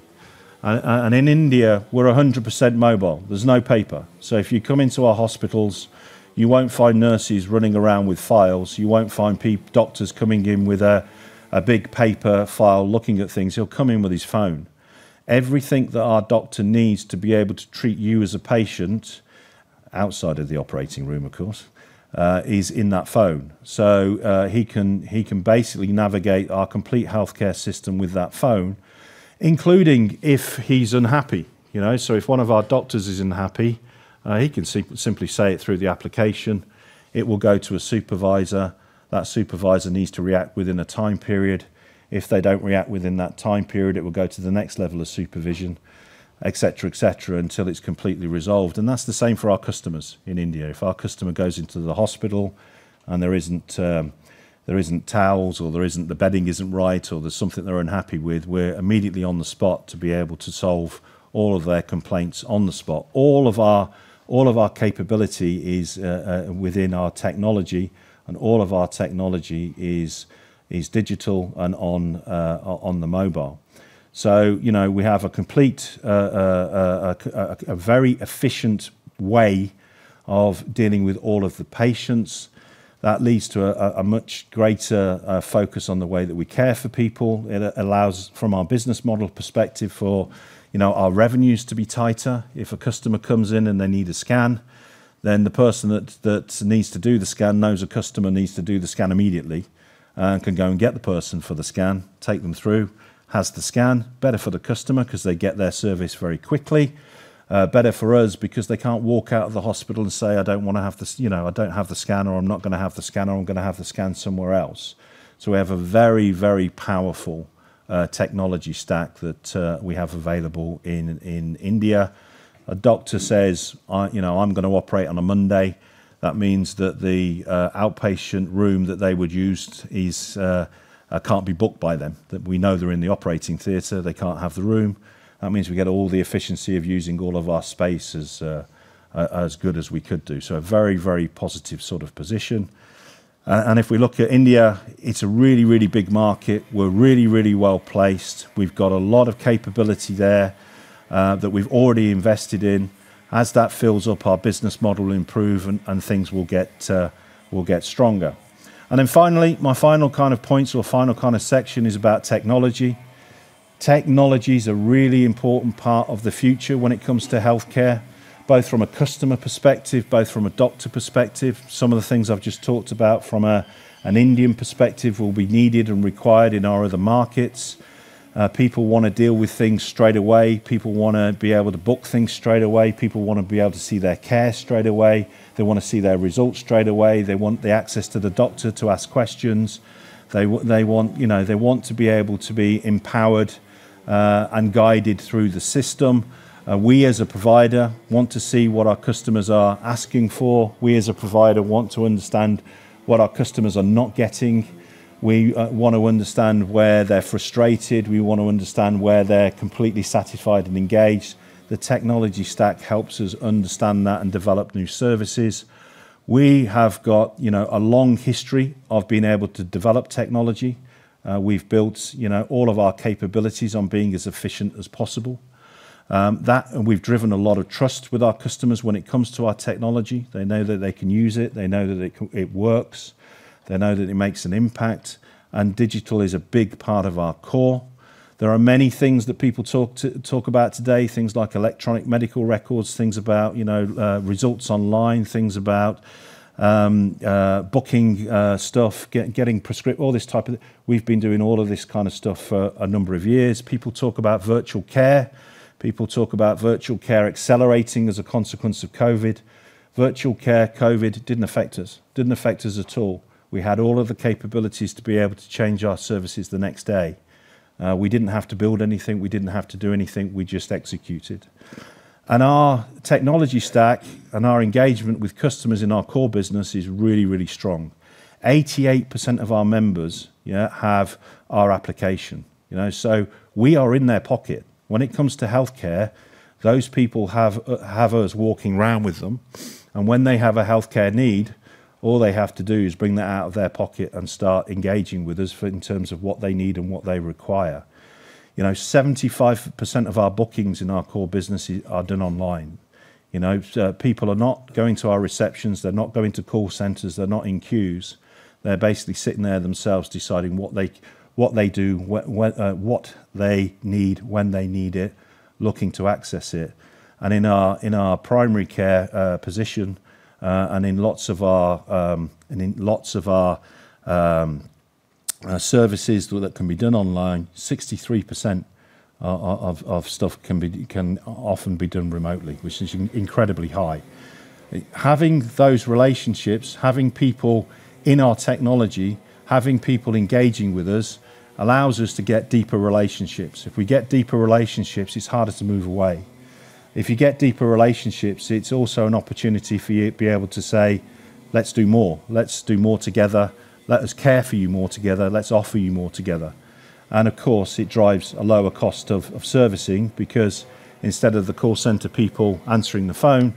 And in India, we're 100% mobile. There's no paper. So if you come into our hospitals, you won't find nurses running around with files. You won't find doctors coming in with a, a big paper file, looking at things. He'll come in with his phone. Everything that our doctor needs to be able to treat you as a patient, outside of the operating room, of course, is in that phone. So, he can basically navigate our complete healthcare system with that phone, including if he's unhappy, you know? So if one of our doctors is unhappy, he can simply say it through the application. It will go to a supervisor. That supervisor needs to react within a time period. If they don't react within that time period, it will go to the next level of supervision, et cetera, et cetera, until it's completely resolved. And that's the same for our customers in India. If our customer goes into the hospital, and there isn't towels or there isn't the bedding isn't right, or there's something they're unhappy with, we're immediately on the spot to be able to solve all of their complaints on the spot. All of our, all of our capability is within our technology, and all of our technology is digital and on the mobile. So, you know, we have a complete, a very efficient way of dealing with all of the patients. That leads to a much greater focus on the way that we care for people. It allows, from our business model perspective, for, you know, our revenues to be tighter. If a customer comes in and they need a scan, then the person that needs to do the scan knows a customer needs to do the scan immediately, can go and get the person for the scan, take them through, has the scan. Better for the customer 'cause they get their service very quickly. Better for us because they can't walk out of the hospital and say, "I don't wanna have the, you know, I don't have the scan," or, "I'm not gonna have the scan," or, "I'm gonna have the scan somewhere else." So we have a very, very powerful technology stack that we have available in India. A doctor says, "You know, I'm gonna operate on a Monday," that means that the outpatient room that they would use is can't be booked by them. That we know they're in the operating theater, they can't have the room. That means we get all the efficiency of using all of our space as, as good as we could do. So a very, very positive sort of position. And if we look at India, it's a really, really big market. We're really, really well-placed. We've got a lot of capability there, that we've already invested in. As that fills up, our business model will improve and, and things will get, will get stronger. And then finally, my final kind of point or final kind of section is about technology. Technology is a really important part of the future when it comes to healthcare, both from a customer perspective, both from a doctor perspective. Some of the things I've just talked about from an Indian perspective will be needed and required in our other markets. People wanna deal with things straight away. People wanna be able to book things straight away. People wanna be able to see their care straight away. They wanna see their results straight away. They want the access to the doctor to ask questions. They want, you know, they want to be able to be empowered and guided through the system. We, as a provider, want to see what our customers are asking for. We, as a provider, want to understand what our customers are not getting. We want to understand where they're frustrated. We want to understand where they're completely satisfied and engaged. The technology stack helps us understand that and develop new services. We have got, you know, a long history of being able to develop technology. We've built, you know, all of our capabilities on being as efficient as possible. That, and we've driven a lot of trust with our customers when it comes to our technology. They know that they can use it, they know that it works, they know that it makes an impact, and digital is a big part of our core. There are many things that people talk about today, things like electronic medical records, things about, you know, results online, things about booking stuff. All this type of—we've been doing all of this kind of stuff for a number of years. People talk about virtual care. People talk about virtual care accelerating as a consequence of COVID. virtual care, COVID, didn't affect us. Didn't affect us at all. We had all of the capabilities to be able to change our services the next day. We didn't have to build anything. We didn't have to do anything. We just executed, and our technology stack and our engagement with customers in our core business is really, really strong. 88% of our members, yeah, have our application, you know, so we are in their pocket. When it comes to healthcare, those people have us walking around with them, and when they have a healthcare need, all they have to do is bring that out of their pocket and start engaging with us in terms of what they need and what they require. You know, 75% of our bookings in our core business is, are done online, you know? So, people are not going to our receptions, they're not going to call centers, they're not in queues. They're basically sitting there themselves, deciding what they, what they do, what they need, when they need it, looking to access it. And in our, in our primary care, position, and in lots of our, and in lots of our, services that can be done online, 63% of stuff can be, can often be done remotely, which is incredibly high. Having those relationships, having people in our technology, having people engaging with us, allows us to get deeper relationships. If we get deeper relationships, it's harder to move away. If you get deeper relationships, it's also an opportunity for you to be able to say, "Let's do more. Let's do more together. Let us care for you more together. Let's offer you more together." And of course, it drives a lower cost of servicing because instead of the call center people answering the phone,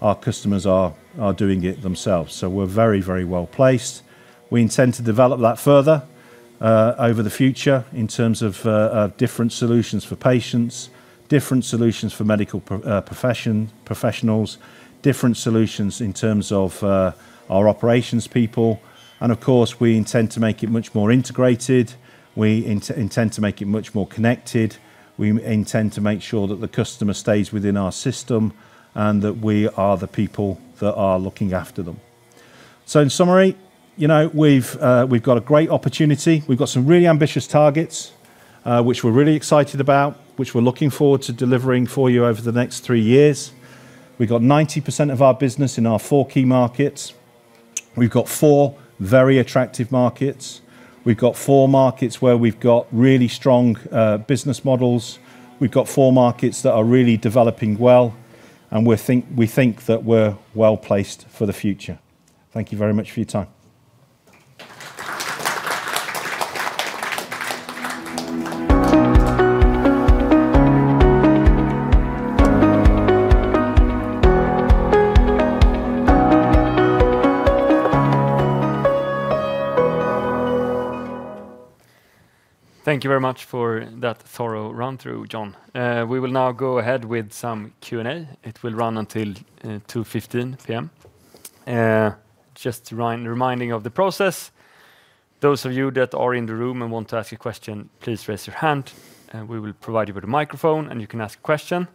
our customers are doing it themselves. So we're very, very well-placed. We intend to develop that further over the future in terms of different solutions for patients, different solutions for medical professionals, different solutions in terms of our operations people, and of course, we intend to make it much more integrated. We intend to make it much more connected. We intend to make sure that the customer stays within our system, and that we are the people that are looking after them. So in summary, you know, we've, we've got a great opportunity. We've got some really ambitious targets, which we're really excited about, which we're looking forward to delivering for you over the next three years. We've got 90% of our business in our four key markets. We've got four very attractive markets. We've got four markets where we've got really strong, business models. We've got four markets that are really developing well, and we think, we think that we're well-placed for the future. Thank you very much for your time. Thank you very much for that thorough run-through, John. We will now go ahead with some Q&A. It will run until 2:15 P.M. Just reminding of the process, those of you that are in the room and want to ask a question, please raise your hand, and we will provide you with a microphone, and you can ask a question.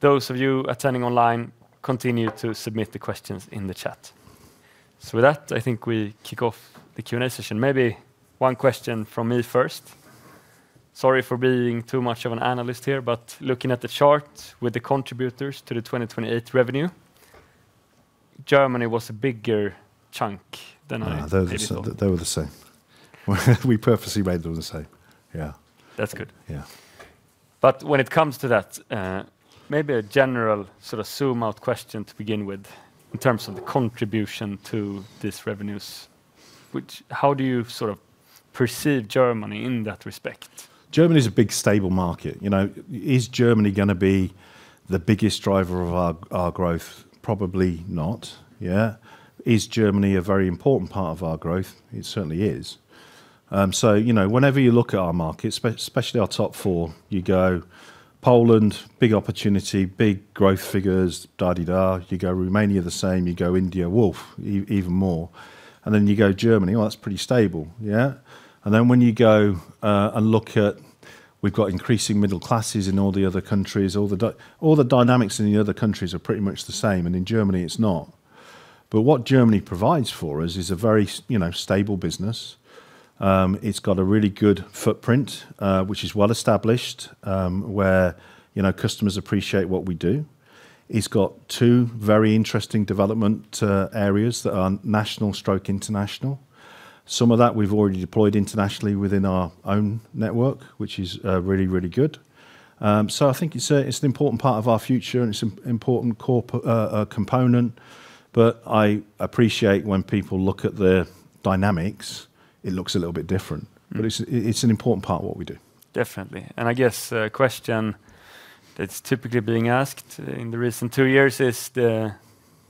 Those of you attending online, continue to submit the questions in the chat. So with that, I think we kick off the Q&A session. Maybe one question from me first. Sorry for being too much of an analyst here, but looking at the chart with the contributors to the 2028 revenue, Germany was a bigger chunk than I maybe thought. They were the same. We purposely made them the same. Yeah. That's good. Yeah. But when it comes to that, maybe a general sort of zoom-out question to begin with, in terms of the contribution to this revenues, which, how do you sort of perceive Germany in that respect? Germany is a big, stable market, you know. Is Germany gonna be the biggest driver of our, our growth? Probably not, yeah. Is Germany a very important part of our growth? It certainly is. So, you know, whenever you look at our markets, especially our top four, you go, Poland, big opportunity, big growth figures. You go, Romania, the same. You go, India, whoa, even more. And then you go, Germany, oh, that's pretty stable, yeah? And then when you go and look at, we've got increasing middle classes in all the other countries. All the dynamics in the other countries are pretty much the same, and in Germany, it's not. But what Germany provides for us is a very, you know, stable business. It's got a really good footprint, which is well-established, where, you know, customers appreciate what we do. It's got two very interesting development areas that are national and international. Some of that, we've already deployed internationally within our own network, which is really, really good. So I think it's an important part of our future, and it's an important component, but I appreciate when people look at the dynamics, it looks a little bit different. But it's an important part of what we do. Definitely. And I guess, a question that's typically being asked in the recent two years, is the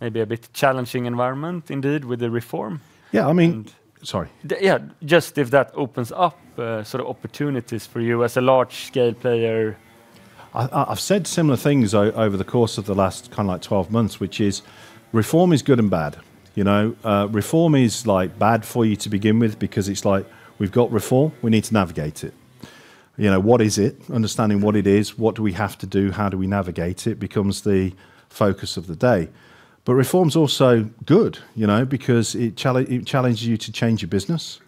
maybe a bit challenging environment indeed, with the reform? Yeah, I mean- And- Sorry. Yeah, just if that opens up, sort of opportunities for you as a large-scale player. I've said similar things over the course of the last kind of like 12 months, which is, reform is good and bad, you know? Reform is, like, bad for you to begin with because it's like, we've got reform, we need to navigate it. You know, what is it? Understanding what it is, what do we have to do, how do we navigate it becomes the focus of the day. But reform's also good, you know, because it challenges you to change your business,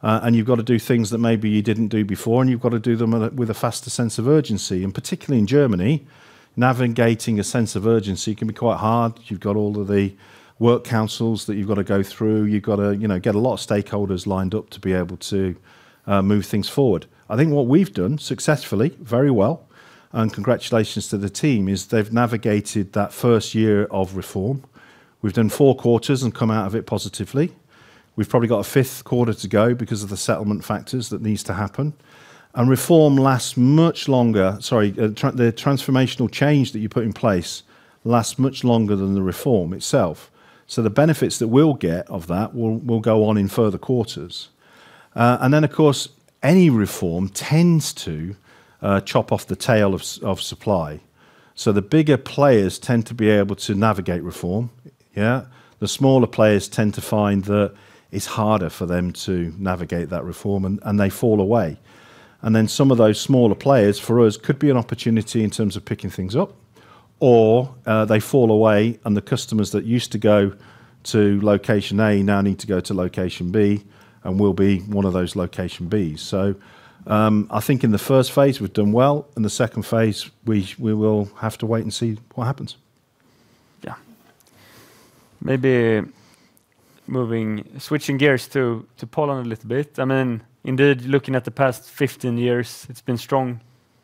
and you've got to do things that maybe you didn't do before, and you've got to do them with a faster sense of urgency. And particularly in Germany, navigating a sense of urgency can be quite hard. You've got all of the work councils that you've got to go through. You've got to, you know, get a lot of stakeholders lined up to be able to move things forward. I think what we've done successfully, very well, and congratulations to the team, is they've navigated that first year of reform. We've done four quarters and come out of it positively. We've probably got a fifth quarter to go because of the settlement factors that needs to happen, and reform lasts much longer. Sorry, the transformational change that you put in place lasts much longer than the reform itself. So the benefits that we'll get of that will, will go on in further quarters. And then, of course, any reform tends to chop off the tail of supply. So the bigger players tend to be able to navigate reform. Yeah? The smaller players tend to find that it's harder for them to navigate that reform, and they fall away. And then some of those smaller players, for us, could be an opportunity in terms of picking things up, or they fall away, and the customers that used to go to location A now need to go to location B, and we'll be one of those location B's. So, I think in the first phase, we've done well. In the second phase, we will have to wait and see what happens. Yeah. Maybe moving, switching gears to Poland a little bit, I mean, indeed, looking at the past 15 years, it's been strong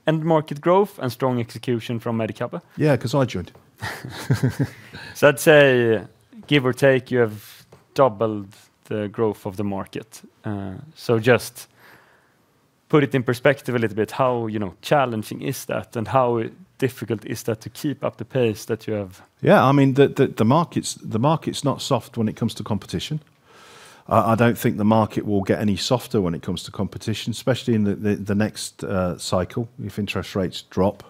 end market growth and strong execution from Medicover. Yeah, 'cause I joined. So I'd say, give or take, you have doubled the growth of the market. So just put it in perspective a little bit, how, you know, challenging is that, and how difficult is that to keep up the pace that you have? Yeah, I mean, the market's not soft when it comes to competition. I don't think the market will get any softer when it comes to competition, especially in the next cycle. If interest rates drop,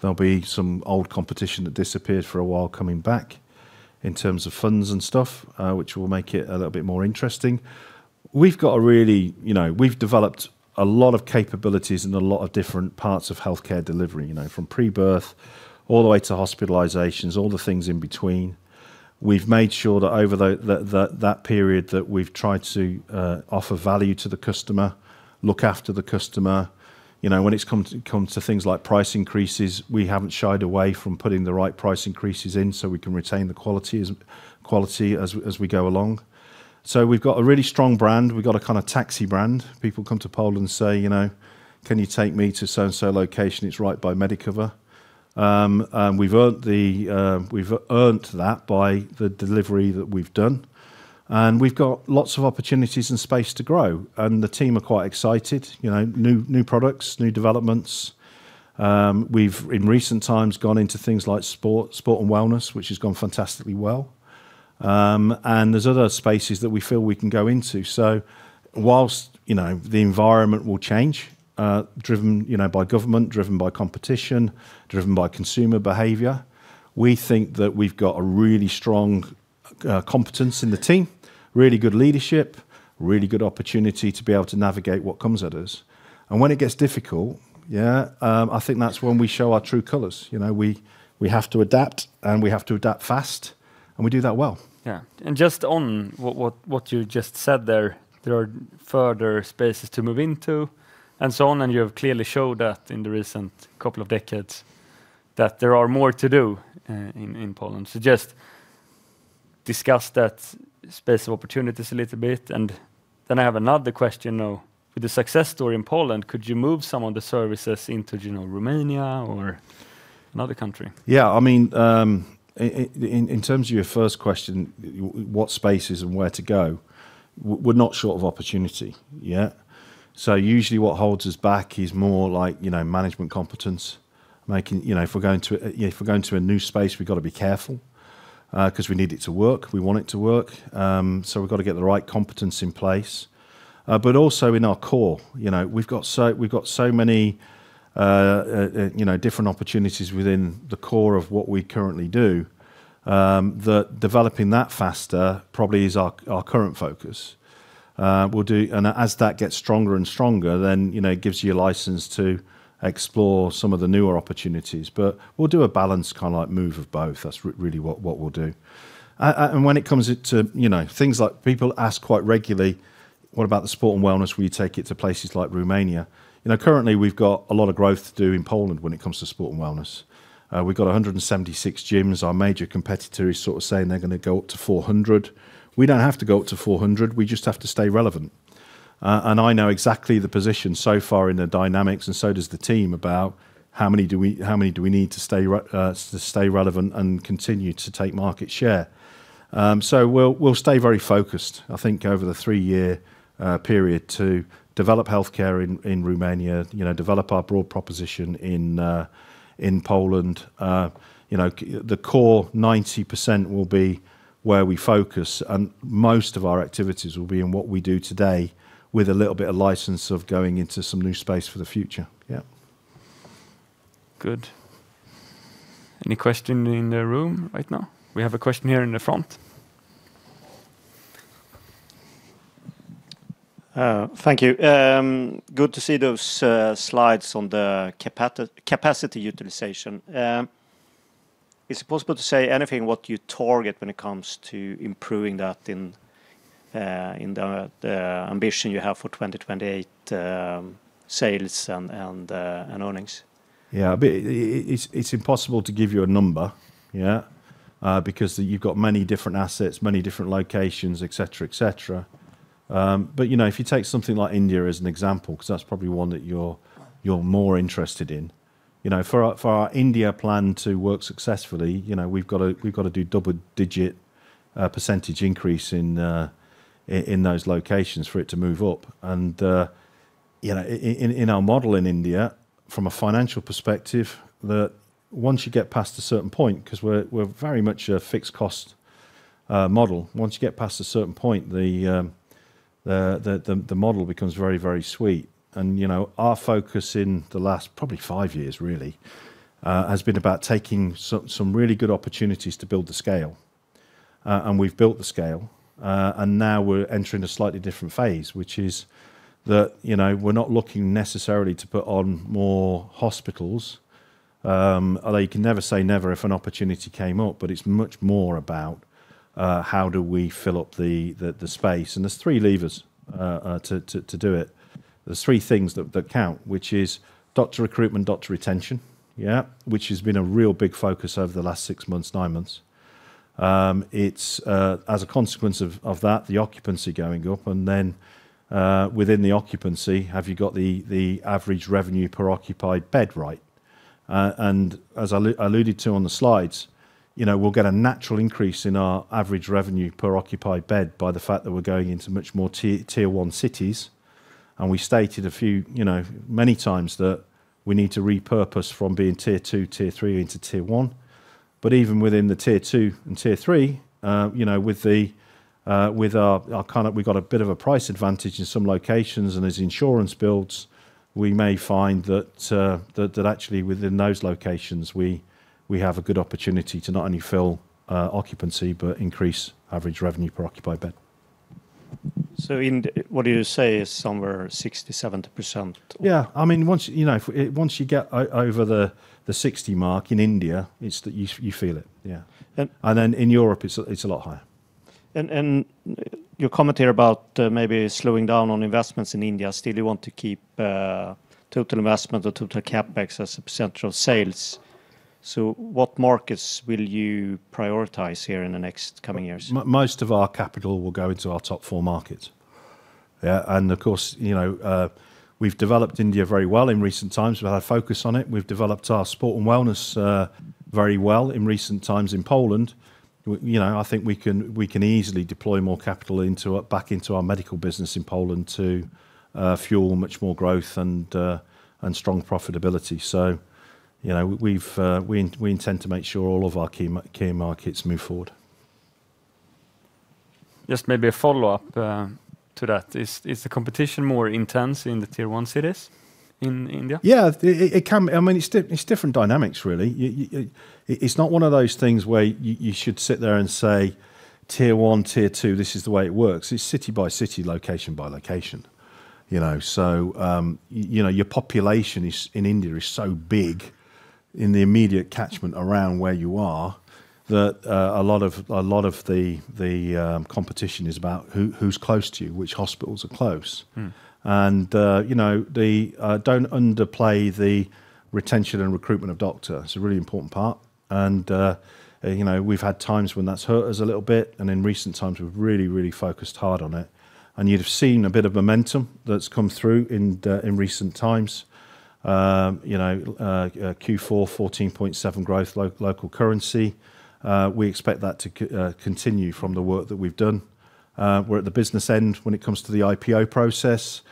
there'll be some old competition that disappeared for a while coming back in terms of funds and stuff, which will make it a little bit more interesting. We've got a really, you know, we've developed a lot of capabilities in a lot of different parts of Healthcare delivery, you know, from pre-birth all the way to hospitalizations, all the things in between. We've made sure that over that period, that we've tried to offer value to the customer, look after the customer. You know, when it's come to things like price increases, we haven't shied away from putting the right price increases in, so we can retain the quality as we go along. So we've got a really strong brand. We've got a kind of taxi brand. People come to Poland and say, you know, "Can you take me to so-and-so location? It's right by Medicover." And we've earned that by the delivery that we've done, and we've got lots of opportunities and space to grow, and the team are quite excited, you know, new products, new developments. We've, in recent times, gone into things like Sport and Wellness, which has gone fantastically well. And there's other spaces that we feel we can go into. While, you know, the environment will change, driven, you know, by government, driven by competition, driven by consumer behavior, we think that we've got a really strong competence in the team, really good leadership, really good opportunity to be able to navigate what comes at us. When it gets difficult, I think that's when we show our true colors. You know, we have to adapt, and we have to adapt fast, and we do that well. Yeah, and just on what you just said there, there are further spaces to move into, and so on, and you have clearly showed that in the recent couple of decades, that there are more to do in Poland. So just discuss that space of opportunities a little bit, and then I have another question, though. With the success story in Poland, could you move some of the services into, you know, Romania or another country? Yeah, I mean, in terms of your first question, what spaces and where to go, we're not short of opportunity. Yeah? So usually, what holds us back is more like, you know, management competence, making, you know, if we're going to a new space, we've got to be careful, 'cause we need it to work. We want it to work. So we've got to get the right competence in place. But also in our core, you know, we've got so many, you know, different opportunities within the core of what we currently do, that developing that faster probably is our current focus. As that gets stronger and stronger, then, you know, it gives you a license to explore some of the newer opportunities, but we'll do a balanced, kind of like, move of both. That's really what we'll do. And when it comes to, you know, things like... People ask quite regularly, "What about the Sport and Wellness? Will you take it to places like Romania?" You know, currently, we've got a lot of growth to do in Poland when it comes to Sport and Wellness. We've got 176 gyms. Our major competitor is sort of saying they're gonna go up to 400. We don't have to go up to 400; we just have to stay relevant. And I know exactly the position so far in the dynamics, and so does the team, about how many do we, how many do we need to stay relevant and continue to take market share. So we'll stay very focused, I think, over the three-year period, to develop Healthcare in Romania, you know, develop our broad proposition in Poland. You know, the core 90% will be where we focus, and most of our activities will be in what we do today, with a little bit of license of going into some new space for the future. Yeah. Good. Any question in the room right now? We have a question here in the front. Thank you. Good to see those slides on the capacity utilization. Is it possible to say anything what you target when it comes to improving that in the ambition you have for 2028, sales and earnings? Yeah, but it's impossible to give you a number, yeah, because you've got many different assets, many different locations, et cetera, et cetera. But, you know, if you take something like India as an example, 'cause that's probably one that you're more interested in. You know, for our India plan to work successfully, you know, we've gotta do double-digit percentage increase in those locations for it to move up. And, you know, in our model in India, from a financial perspective, that once you get past a certain point, 'cause we're very much a fixed cost model, once you get past a certain point, the model becomes very, very sweet. You know, our focus in the last probably five years, really, has been about taking some really good opportunities to build the scale. And we've built the scale, and now we're entering a slightly different phase, which is that, you know, we're not looking necessarily to put on more hospitals. Although you can never say never if an opportunity came up, but it's much more about, how do we fill up the space. And there's three levers to do it. There's three things that count, which is doctor recruitment, doctor retention, yeah, which has been a real big focus over the last six months, nine months. It's, as a consequence of that, the occupancy going up, and then, within the occupancy, have you got the average revenue per occupied bed right? As I alluded to on the slides, you know, we'll get a natural increase in our average revenue per occupied bed by the fact that we're going into much more Tier 1cities. We stated a few, you know, many times that we need to repurpose from being Tier 2, Tier 3 into Tier 1. Even within the Tier 2 and Tier 3, you know, with our kind of... We've got a bit of a price advantage in some locations, and as insurance builds, we may find that, that actually within those locations, we have a good opportunity to not only fill occupancy, but increase average revenue per occupied bed. What do you say is somewhere 60%-70%? Yeah. I mean, you know, once you get over the 60 mark in India, it's that you feel it. Yeah. And- And then in Europe, it's a lot higher. Your comment here about maybe slowing down on investments in India, still you want to keep total investment or total CapEx as a percent of sales. So what markets will you prioritize here in the next coming years? Most of our capital will go into our top four markets. Yeah, and of course, you know, we've developed India very well in recent times. We've had a focus on it. We've developed our Sport and Wellness very well in recent times in Poland. You know, I think we can easily deploy more capital into it, back into our medical business in Poland to fuel much more growth and strong profitability. So, you know, we intend to make sure all of our key markets move forward. Just maybe a follow-up to that. Is the competition more intense in the Tier One cities in India? Yeah, it can... I mean, it's different dynamics, really. It's not one of those things where you should sit there and say, "Tier One, Tier Two, this is the way it works." It's city by city, location by location, you know? So, you know, your population in India is so big in the immediate catchment around where you are, that a lot of the competition is about who's close to you, which hospitals are close. You know, don't underplay the retention and recruitment of doctors. It's a really important part. You know, we've had times when that's hurt us a little bit, and in recent times, we've really, really focused hard on it. You'd have seen a bit of momentum that's come through in recent times. You know, Q4, 14.7 growth, local currency. We expect that to continue from the work that we've done. We're at the business end when it comes to the IPO process.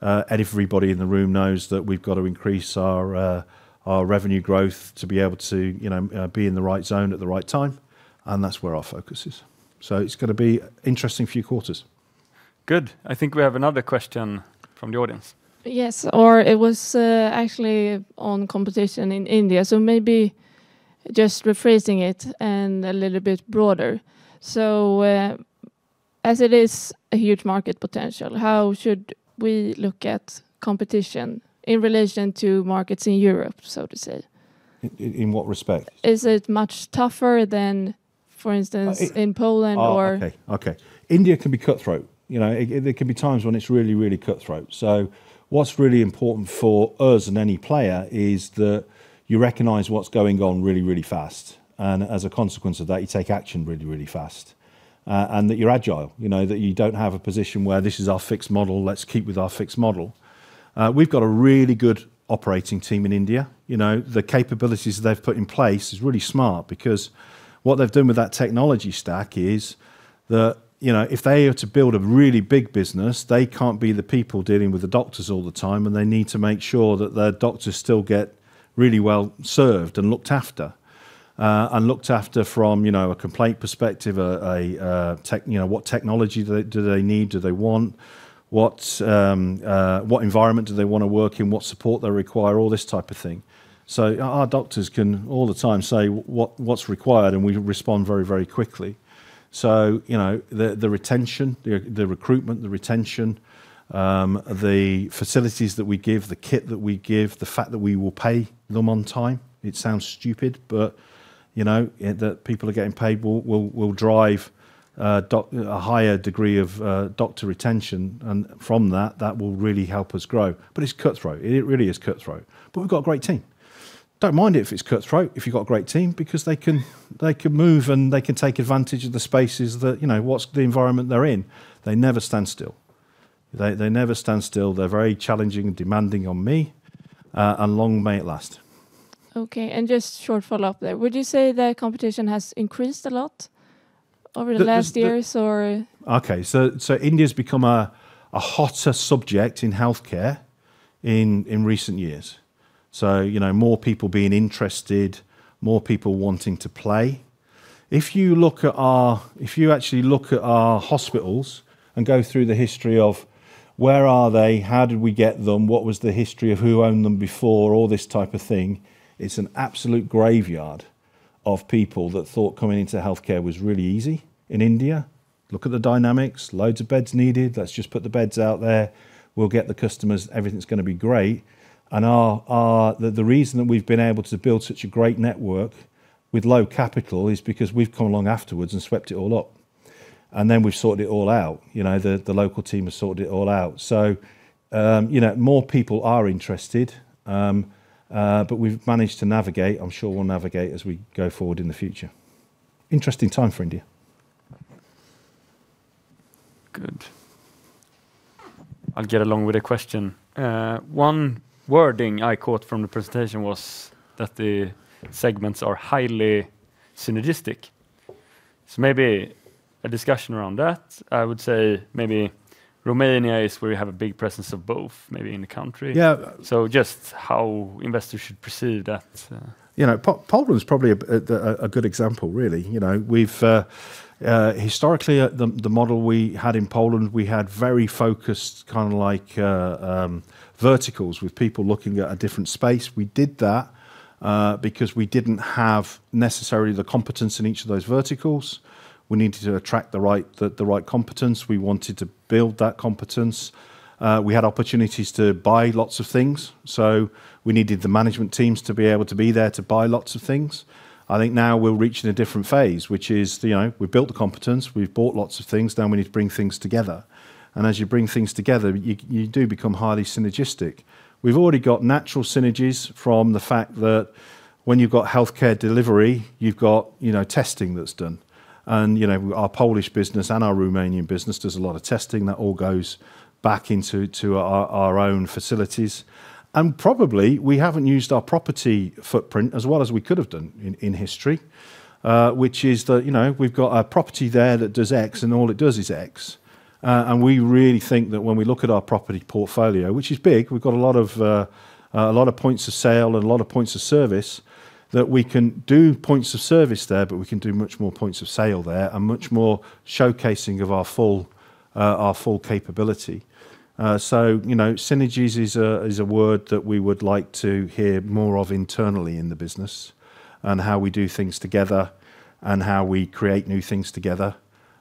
And everybody in the room knows that we've got to increase our revenue growth to be able to, you know, be in the right zone at the right time, and that's where our focus is. So it's gonna be interesting few quarters. Good. I think we have another question from the audience. Yes, or it was, actually on competition in India, so maybe just rephrasing it and a little bit broader. So, as it is a huge market potential, how should we look at competition in relation to markets in Europe, so to say? In what respect? Is it much tougher than, for instance in Poland or? Oh, okay, okay. India can be cutthroat. You know, it, there can be times when it's really, really cutthroat. So what's really important for us and any player is that you recognize what's going on really, really fast, and as a consequence of that, you take action really, really fast. And that you're agile, you know, that you don't have a position where this is our fixed model, let's keep with our fixed model. We've got a really good operating team in India, you know. The capabilities they've put in place is really smart because what they've done with that technology stack is that, you know, if they are to build a really big business, they can't be the people dealing with the doctors all the time, and they need to make sure that their doctors still get really well served and looked after. And looked after from, you know, a complaint perspective, you know, what technology do they need? Do they want? What what environment do they wanna work in? What support they require? All this type of thing. So our doctors can all the time say what's required, and we respond very, very quickly. So, you know, the retention, the recruitment, the retention, the facilities that we give, the kit that we give, the fact that we will pay them on time, it sounds stupid, but, you know, that people are getting paid will drive a higher degree of doctor retention, and from that, that will really help us grow. But it's cutthroat. It really is cutthroat, but we've got a great team. Don't mind it if it's cutthroat, if you've got a great team, because they can, they can move, and they can take advantage of the spaces that, you know, what's the environment they're in. They never stand still. They never stand still. They're very challenging and demanding on me, and long may it last. Okay, just short follow-up there. Would you say the competition has increased a lot over the last years or- Okay, so India's become a hotter subject in healthcare in recent years. So, you know, more people being interested, more people wanting to play. If you actually look at our hospitals and go through the history of where are they, how did we get them, what was the history of who owned them before, all this type of thing, it's an absolute graveyard of people that thought coming into healthcare was really easy in India. Look at the dynamics, loads of beds needed. Let's just put the beds out there. We'll get the customers. Everything's gonna be great, and the reason that we've been able to build such a great network with low capital is because we've come along afterwards and swept it all up, and then we've sorted it all out. You know, the local team has sorted it all out. So, you know, more people are interested, but we've managed to navigate. I'm sure we'll navigate as we go forward in the future. Interesting time for India. Good. I'll get along with the question. One wording I caught from the presentation was that the segments are highly synergistic. So maybe a discussion around that. I would say maybe Romania is where you have a big presence of both, maybe in the country. Yeah. So, just how investors should perceive that? You know, Poland is probably a good example, really. You know, we've historically the model we had in Poland, we had very focused, kinda like, verticals, with people looking at a different space. We did that because we didn't have necessarily the competence in each of those verticals. We needed to attract the right competence. We wanted to build that competence. We had opportunities to buy lots of things, so we needed the management teams to be able to be there to buy lots of things. I think now we're reaching a different phase, which is, you know, we've built the competence, we've bought lots of things, now we need to bring things together, and as you bring things together, you do become highly synergistic. We've already got natural synergies from the fact that when you've got Healthcare delivery, you've got, you know, testing that's done, and, you know, our Polish business and our Romanian business does a lot of testing. That all goes back into, to our, our own facilities, and probably we haven't used our property footprint as well as we could have done in, in history. Which is the... You know, we've got a property there that does X, and all it does is X. And we really think that when we look at our property portfolio, which is big, we've got a lot of, a lot of points of sale and a lot of points of service, that we can do points of service there, but we can do much more points of sale there and much more showcasing of our full, our full capability. So, you know, synergies is a word that we would like to hear more of internally in the business, and how we do things together, and how we create new things together.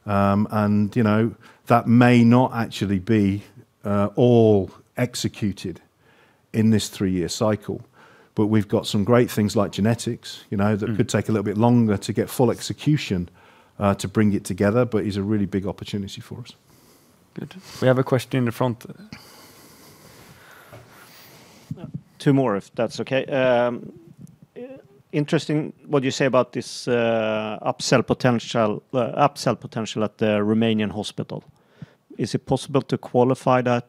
And, you know, that may not actually be all executed in this three-year cycle, but we've got some great things like Genetics, you know, that could take a little bit longer to get full execution, to bring it together, but is a really big opportunity for us. Good. We have a question in the front. Two more, if that's okay. Interesting, what you say about this upsell potential at the Romanian hospital. Is it possible to qualify that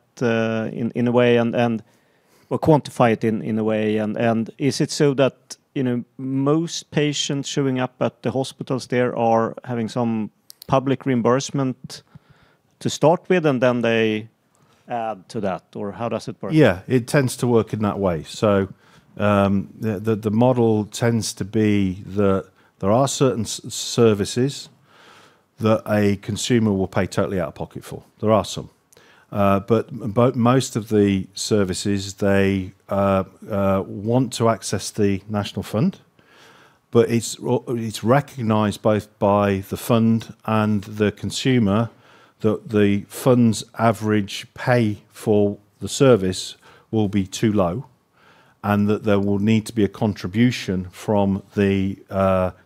in a way, or quantify it in a way, and is it so that, you know, most patients showing up at the hospitals there are having some public reimbursement to start with, and then they add to that, or how does it work? Yeah, it tends to work in that way. So, the model tends to be that there are certain services that a consumer will pay totally out of pocket for. There are some. But most of the services, they want to access the national fund, but it's recognized both by the fund and the consumer that the fund's average pay for the service will be too low, and that there will need to be a contribution from the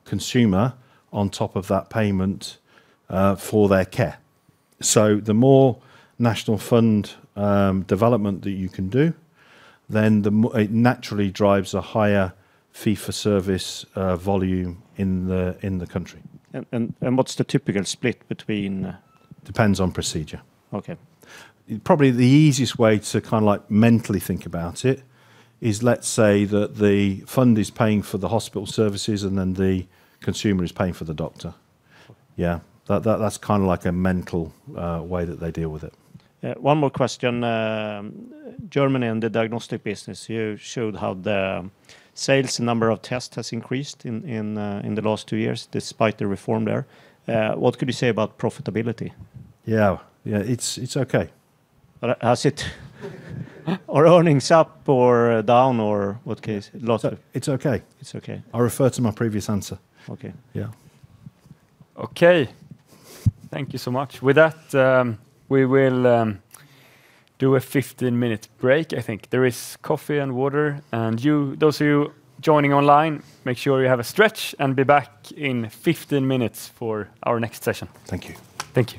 consumer on top of that payment for their care. So the more national fund development that you can do, then it naturally drives a higher fee-for-service volume in the country. What's the typical split between- Depends on procedure. Okay. Probably the easiest way to kinda like mentally think about it is, let's say that the fund is paying for the hospital services, and then the consumer is paying for the doctor. Yeah, that, that, that's kinda like a mental way that they deal with it. One more question. Germany and the diagnostic business, you showed how the sales number of tests has increased in the last two years, despite the reform there. What could you say about profitability? Yeah. Yeah, it's, it's okay. Are earnings up or down, or what case? Loss of- It's okay. It's okay. I refer to my previous answer. Okay. Yeah. Okay. Thank you so much. With that, we will do a 15-minute break, I think. There is coffee and water, and you, those of you joining online, make sure you have a stretch, and be back in 15 minutes for our next session. Thank you. Thank you.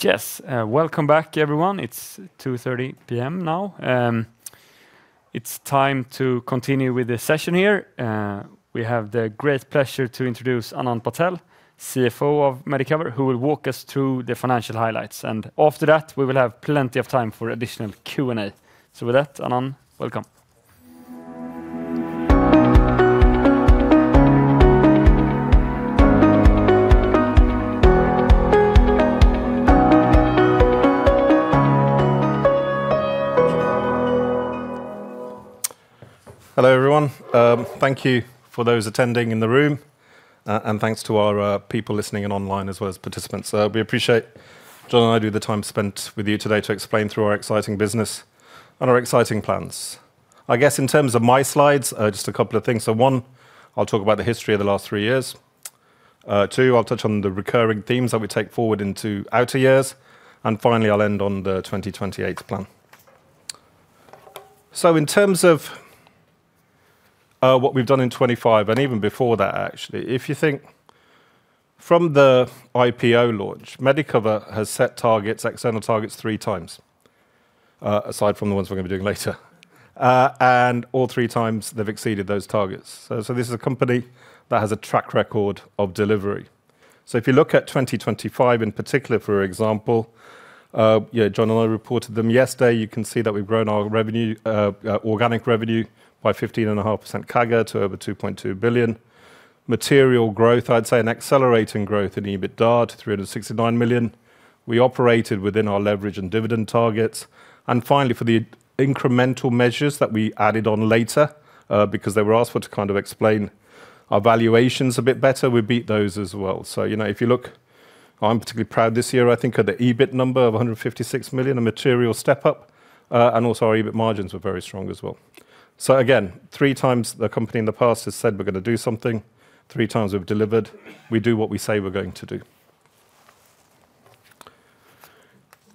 Yes, welcome back, everyone. It's 2:30 P.M. now. It's time to continue with the session here. We have the great pleasure to introduce Anand Patel, CFO of Medicover, who will walk us through the financial highlights, and after that, we will have plenty of time for additional Q&A. With that, Anand, welcome. Hello, everyone. Thank you for those attending in the room, and thanks to our people listening in online as well as participants. We appreciate, John and I, do the time spent with you today to explain through our exciting business and our exciting plans. I guess in terms of my slides, just a couple of things. So, one, I'll talk about the history of the last three years. Two, I'll touch on the recurring themes that we take forward into outer years, and finally, I'll end on the 2028 plan. So in terms of what we've done in 2025, and even before that, actually, if you think from the IPO launch, Medicover has set targets, external targets, three times, aside from the ones we're gonna be doing later. And all three times they've exceeded those targets. So this is a company that has a track record of delivery. So if you look at 2025 in particular, for example, yeah, John and I reported them yesterday. You can see that we've grown our revenue, organic revenue by 15.5% CAGR to over 2.2 billion. Material growth, I'd say, an accelerating growth in EBITDA to 369 million. We operated within our leverage and dividend targets. And finally, for the incremental measures that we added on later, because they were asked for to kind of explain our valuations a bit better, we beat those as well. So, you know, if you look, I'm particularly proud this year, I think, of the EBIT number of 156 million, a material step up, and also our EBIT margins were very strong as well. So again, three times the company in the past has said we're gonna do something. Three times we've delivered. We do what we say we're going to do.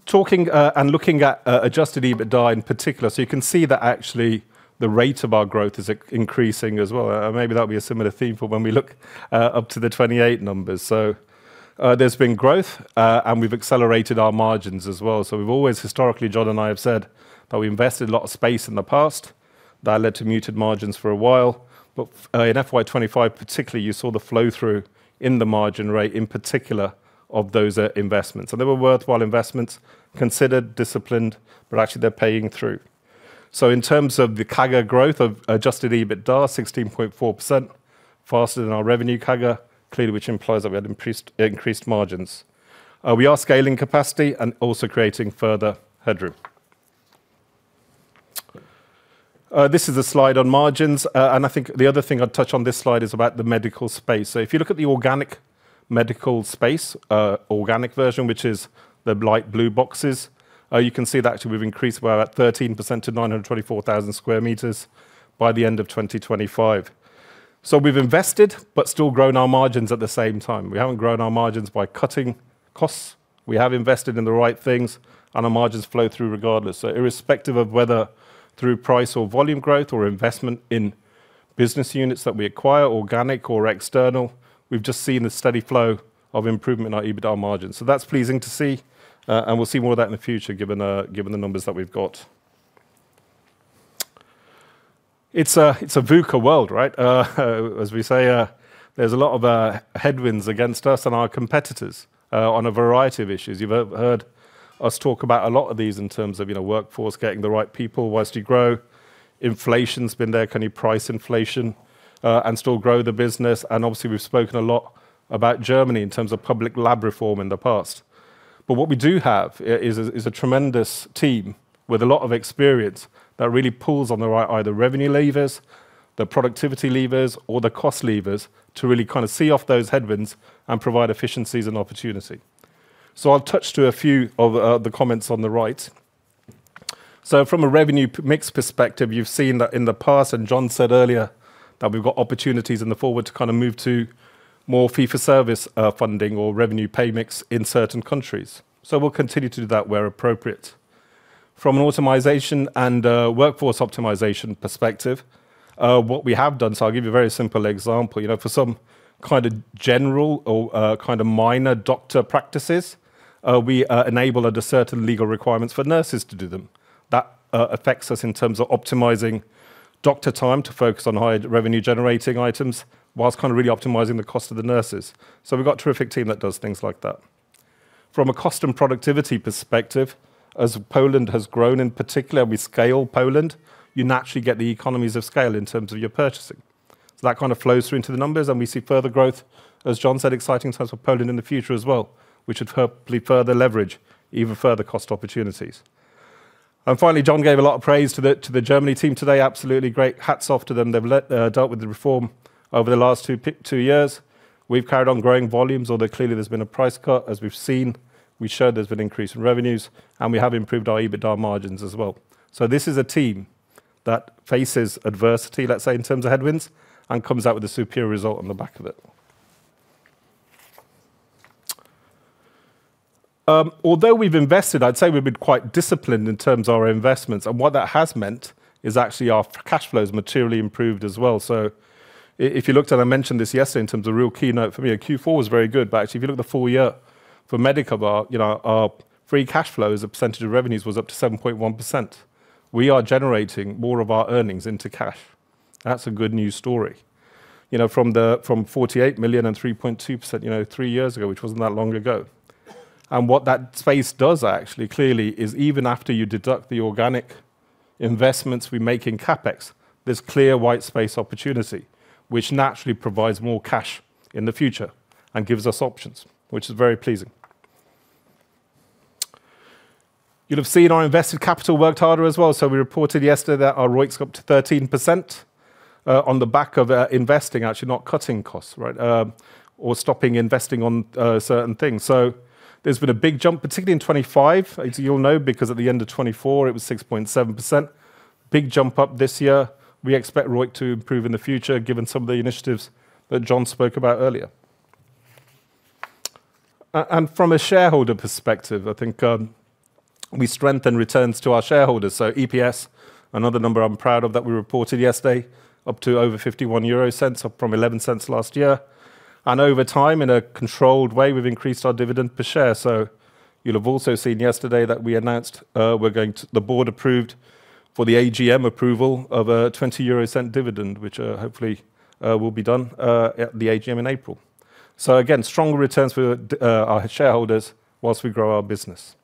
Talking and looking at adjusted EBITDA in particular, so you can see that actually the rate of our growth is increasing as well. Maybe that'll be a similar theme for when we look up to the 2028 numbers. So there's been growth and we've accelerated our margins as well. So we've always historically, John and I have said, that we invested a lot of space in the past. That led to muted margins for a while. But in FY 2025 particularly, you saw the flow-through in the margin rate, in particular, of those investments. So they were worthwhile investments, considered, disciplined, but actually they're paying through. So in terms of the CAGR growth of adjusted EBITDA, 16.4%, faster than our revenue CAGR, clearly which implies that we had increased margins. We are scaling capacity and also creating further headroom. This is a slide on margins, and I think the other thing I'd touch on this slide is about the medical space. So if you look at the organic medical space, organic version, which is the light blue boxes, you can see that actually we've increased by about 13% to 924,000 sq m by the end of 2025. So we've invested but still grown our margins at the same time. We haven't grown our margins by cutting costs. We have invested in the right things, and our margins flow through regardless. So irrespective of whether through price or volume growth or investment in business units that we acquire, organic or external, we've just seen a steady flow of improvement in our EBITDA margins. So that's pleasing to see, and we'll see more of that in the future, given the numbers that we've got. It's a VUCA world, right? As we say, there's a lot of headwinds against us and our competitors on a variety of issues. You've heard us talk about a lot of these in terms of, you know, workforce, getting the right people whilst you grow. Inflation's been there. Can you price inflation and still grow the business? And obviously, we've spoken a lot about Germany in terms of public lab reform in the past. But what we do have is a tremendous team with a lot of experience that really pulls on the right, either revenue levers, the productivity levers, or the cost levers, to really kinda see off those headwinds and provide efficiencies and opportunity. So I'll touch on a few of the comments on the right. So from a revenue payer mix perspective, you've seen that in the past, and John said earlier, that we've got opportunities in the future to kinda move to more fee-for-service funding or revenue payer mix in certain countries. So we'll continue to do that where appropriate. From an optimization and a workforce optimization perspective, what we have done, so I'll give you a very simple example. You know, for some kind of general or kind of minor doctor practices, we enable under certain legal requirements for nurses to do them. That affects us in terms of optimizing doctor time to focus on high revenue-generating items, whilst kind of really optimizing the cost of the nurses. So we've got a terrific team that does things like that. From a cost and productivity perspective, as Poland has grown, in particular, we scale Poland, you naturally get the economies of scale in terms of your purchasing. So that kind of flows through into the numbers, and we see further growth, as John said, exciting in terms of Poland in the future as well, which should hopefully further leverage even further cost opportunities. And finally, John gave a lot of praise to the Germany team today. Absolutely great. Hats off to them. They've dealt with the reform over the last two years. We've carried on growing volumes, although clearly there's been a price cut, as we've seen. We showed there's been increase in revenues, and we have improved our EBITDA margins as well. So this is a team that faces adversity, let's say, in terms of headwinds, and comes out with a superior result on the back of it. Although we've invested, I'd say we've been quite disciplined in terms of our investments, and what that has meant is actually our cash flow has materially improved as well. So, I, if you looked at, I mentioned this yesterday, in terms of real key note for me, Q4 was very good, but actually, if you look at the full year for Medicover, you know, our free cash flow as a percentage of revenues was up to 7.1%. We are generating more of our earnings into cash. That's a good news story. You know, from 48 million and 3.2%, you know, three years ago, which wasn't that long ago. And what that space does actually, clearly, is even after you deduct the organic investments we make in CapEx, there's clear white space opportunity, which naturally provides more cash in the future and gives us options, which is very pleasing. You'll have seen our invested capital worked harder as well. So we reported yesterday that our ROIC's gone up to 13%, on the back of investing, actually, not cutting costs, right, or stopping investing on certain things. So there's been a big jump, particularly in 2025, as you'll know, because at the end of 2024, it was 6.7%. Big jump up this year. We expect ROIC to improve in the future, given some of the initiatives that John spoke about earlier. And from a shareholder perspective, I think we strengthen returns to our shareholders, so EPS, another number I'm proud of that we reported yesterday, up to over 0.51, up from 0.11 last year. And over time, in a controlled way, we've increased our dividend per share. So you'll have also seen yesterday that we announced we're going to. The Board approved for the AGM approval of a 0.20 dividend, which, hopefully, will be done, at the AGM in April. So again, stronger returns for our shareholders while we grow our business.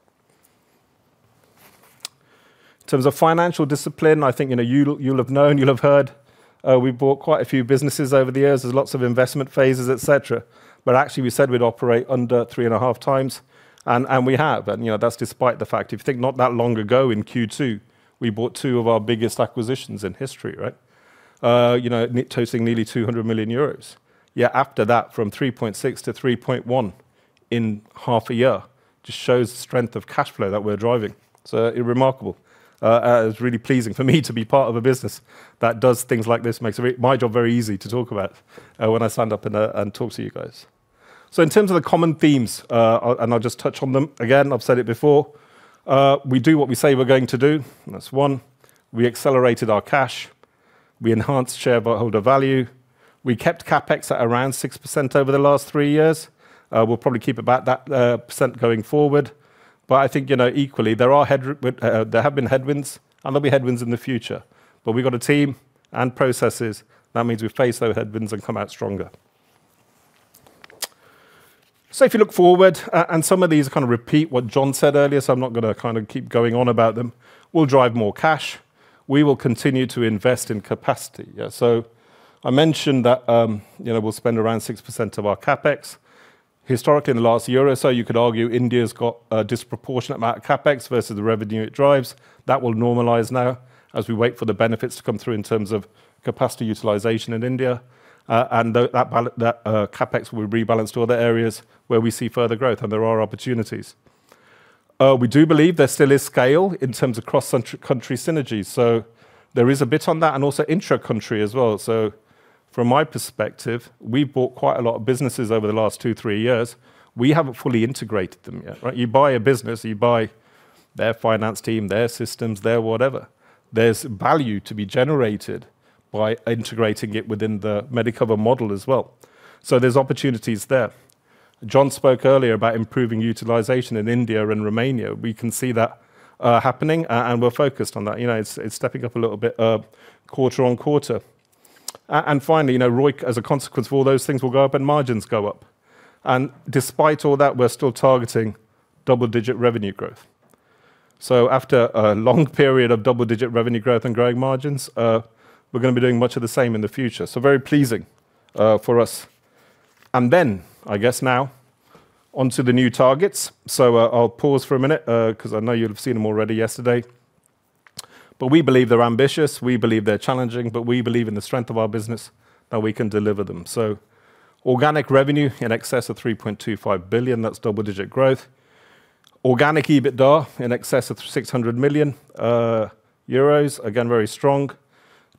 In terms of financial discipline, I think, you know, you'll, you'll have known, you'll have heard, we've bought quite a few businesses over the years. There's lots of investment phases, et cetera. But actually, we said we'd operate under 3.5x, and, and we have. And, you know, that's despite the fact, if you think not that long ago in Q2, we bought two of our biggest acquisitions in history, right? You know, net totaling nearly 200 million euros. Yet after that, from 3.6x to 3.1x in half a year, just shows the strength of cash flow that we're driving. So remarkable. It's really pleasing for me to be part of a business that does things like this. Makes my job very easy to talk about, when I sign up and talk to you guys. So in terms of the common themes, I'll just touch on them. Again, I've said it before, we do what we say we're going to do, and that's one. We accelerated our cash. We enhanced shareholder value. We kept CapEx at around 6% over the last three years. We'll probably keep about that percent going forward. But I think, you know, equally, there are headwinds, and there have been headwinds, and there'll be headwinds in the future. But we've got a team and processes. That means we face those headwinds and come out stronger. So if you look forward, and some of these kind of repeat what John said earlier, so I'm not gonna kind of keep going on about them. We'll drive more cash. We will continue to invest in capacity. Yeah, so I mentioned that, you know, we'll spend around 6% of our CapEx. Historically, in the last year or so, you could argue India's got a disproportionate amount of CapEx versus the revenue it drives. That will normalize now, as we wait for the benefits to come through in terms of capacity utilization in India. And that CapEx will be rebalanced to other areas where we see further growth, and there are opportunities. We do believe there still is scale in terms of cross-country synergies, so there is a bit on that and also intra-country as well. So from my perspective, we've bought quite a lot of businesses over the last two, three years. We haven't fully integrated them yet, right? You buy a business, you buy their finance team, their systems, their whatever. There's value to be generated by integrating it within the Medicover model as well. So there's opportunities there. John spoke earlier about improving utilization in India and Romania. We can see that happening, and we're focused on that. You know, it's stepping up a little bit quarter-over-quarter. And finally, you know, ROIC, as a consequence for all those things, will go up and margins go up. And despite all that, we're still targeting double-digit revenue growth. So after a long period of double-digit revenue growth and growing margins, we're gonna be doing much of the same in the future, so very pleasing for us. I guess now, onto the new targets. So, I'll pause for a minute, 'cause I know you'd have seen them already yesterday. But we believe they're ambitious, we believe they're challenging, but we believe in the strength of our business, that we can deliver them. So organic revenue in excess of 3.25 billion, that's double-digit growth. Organic EBITDA in excess of 600 million euros, again, very strong.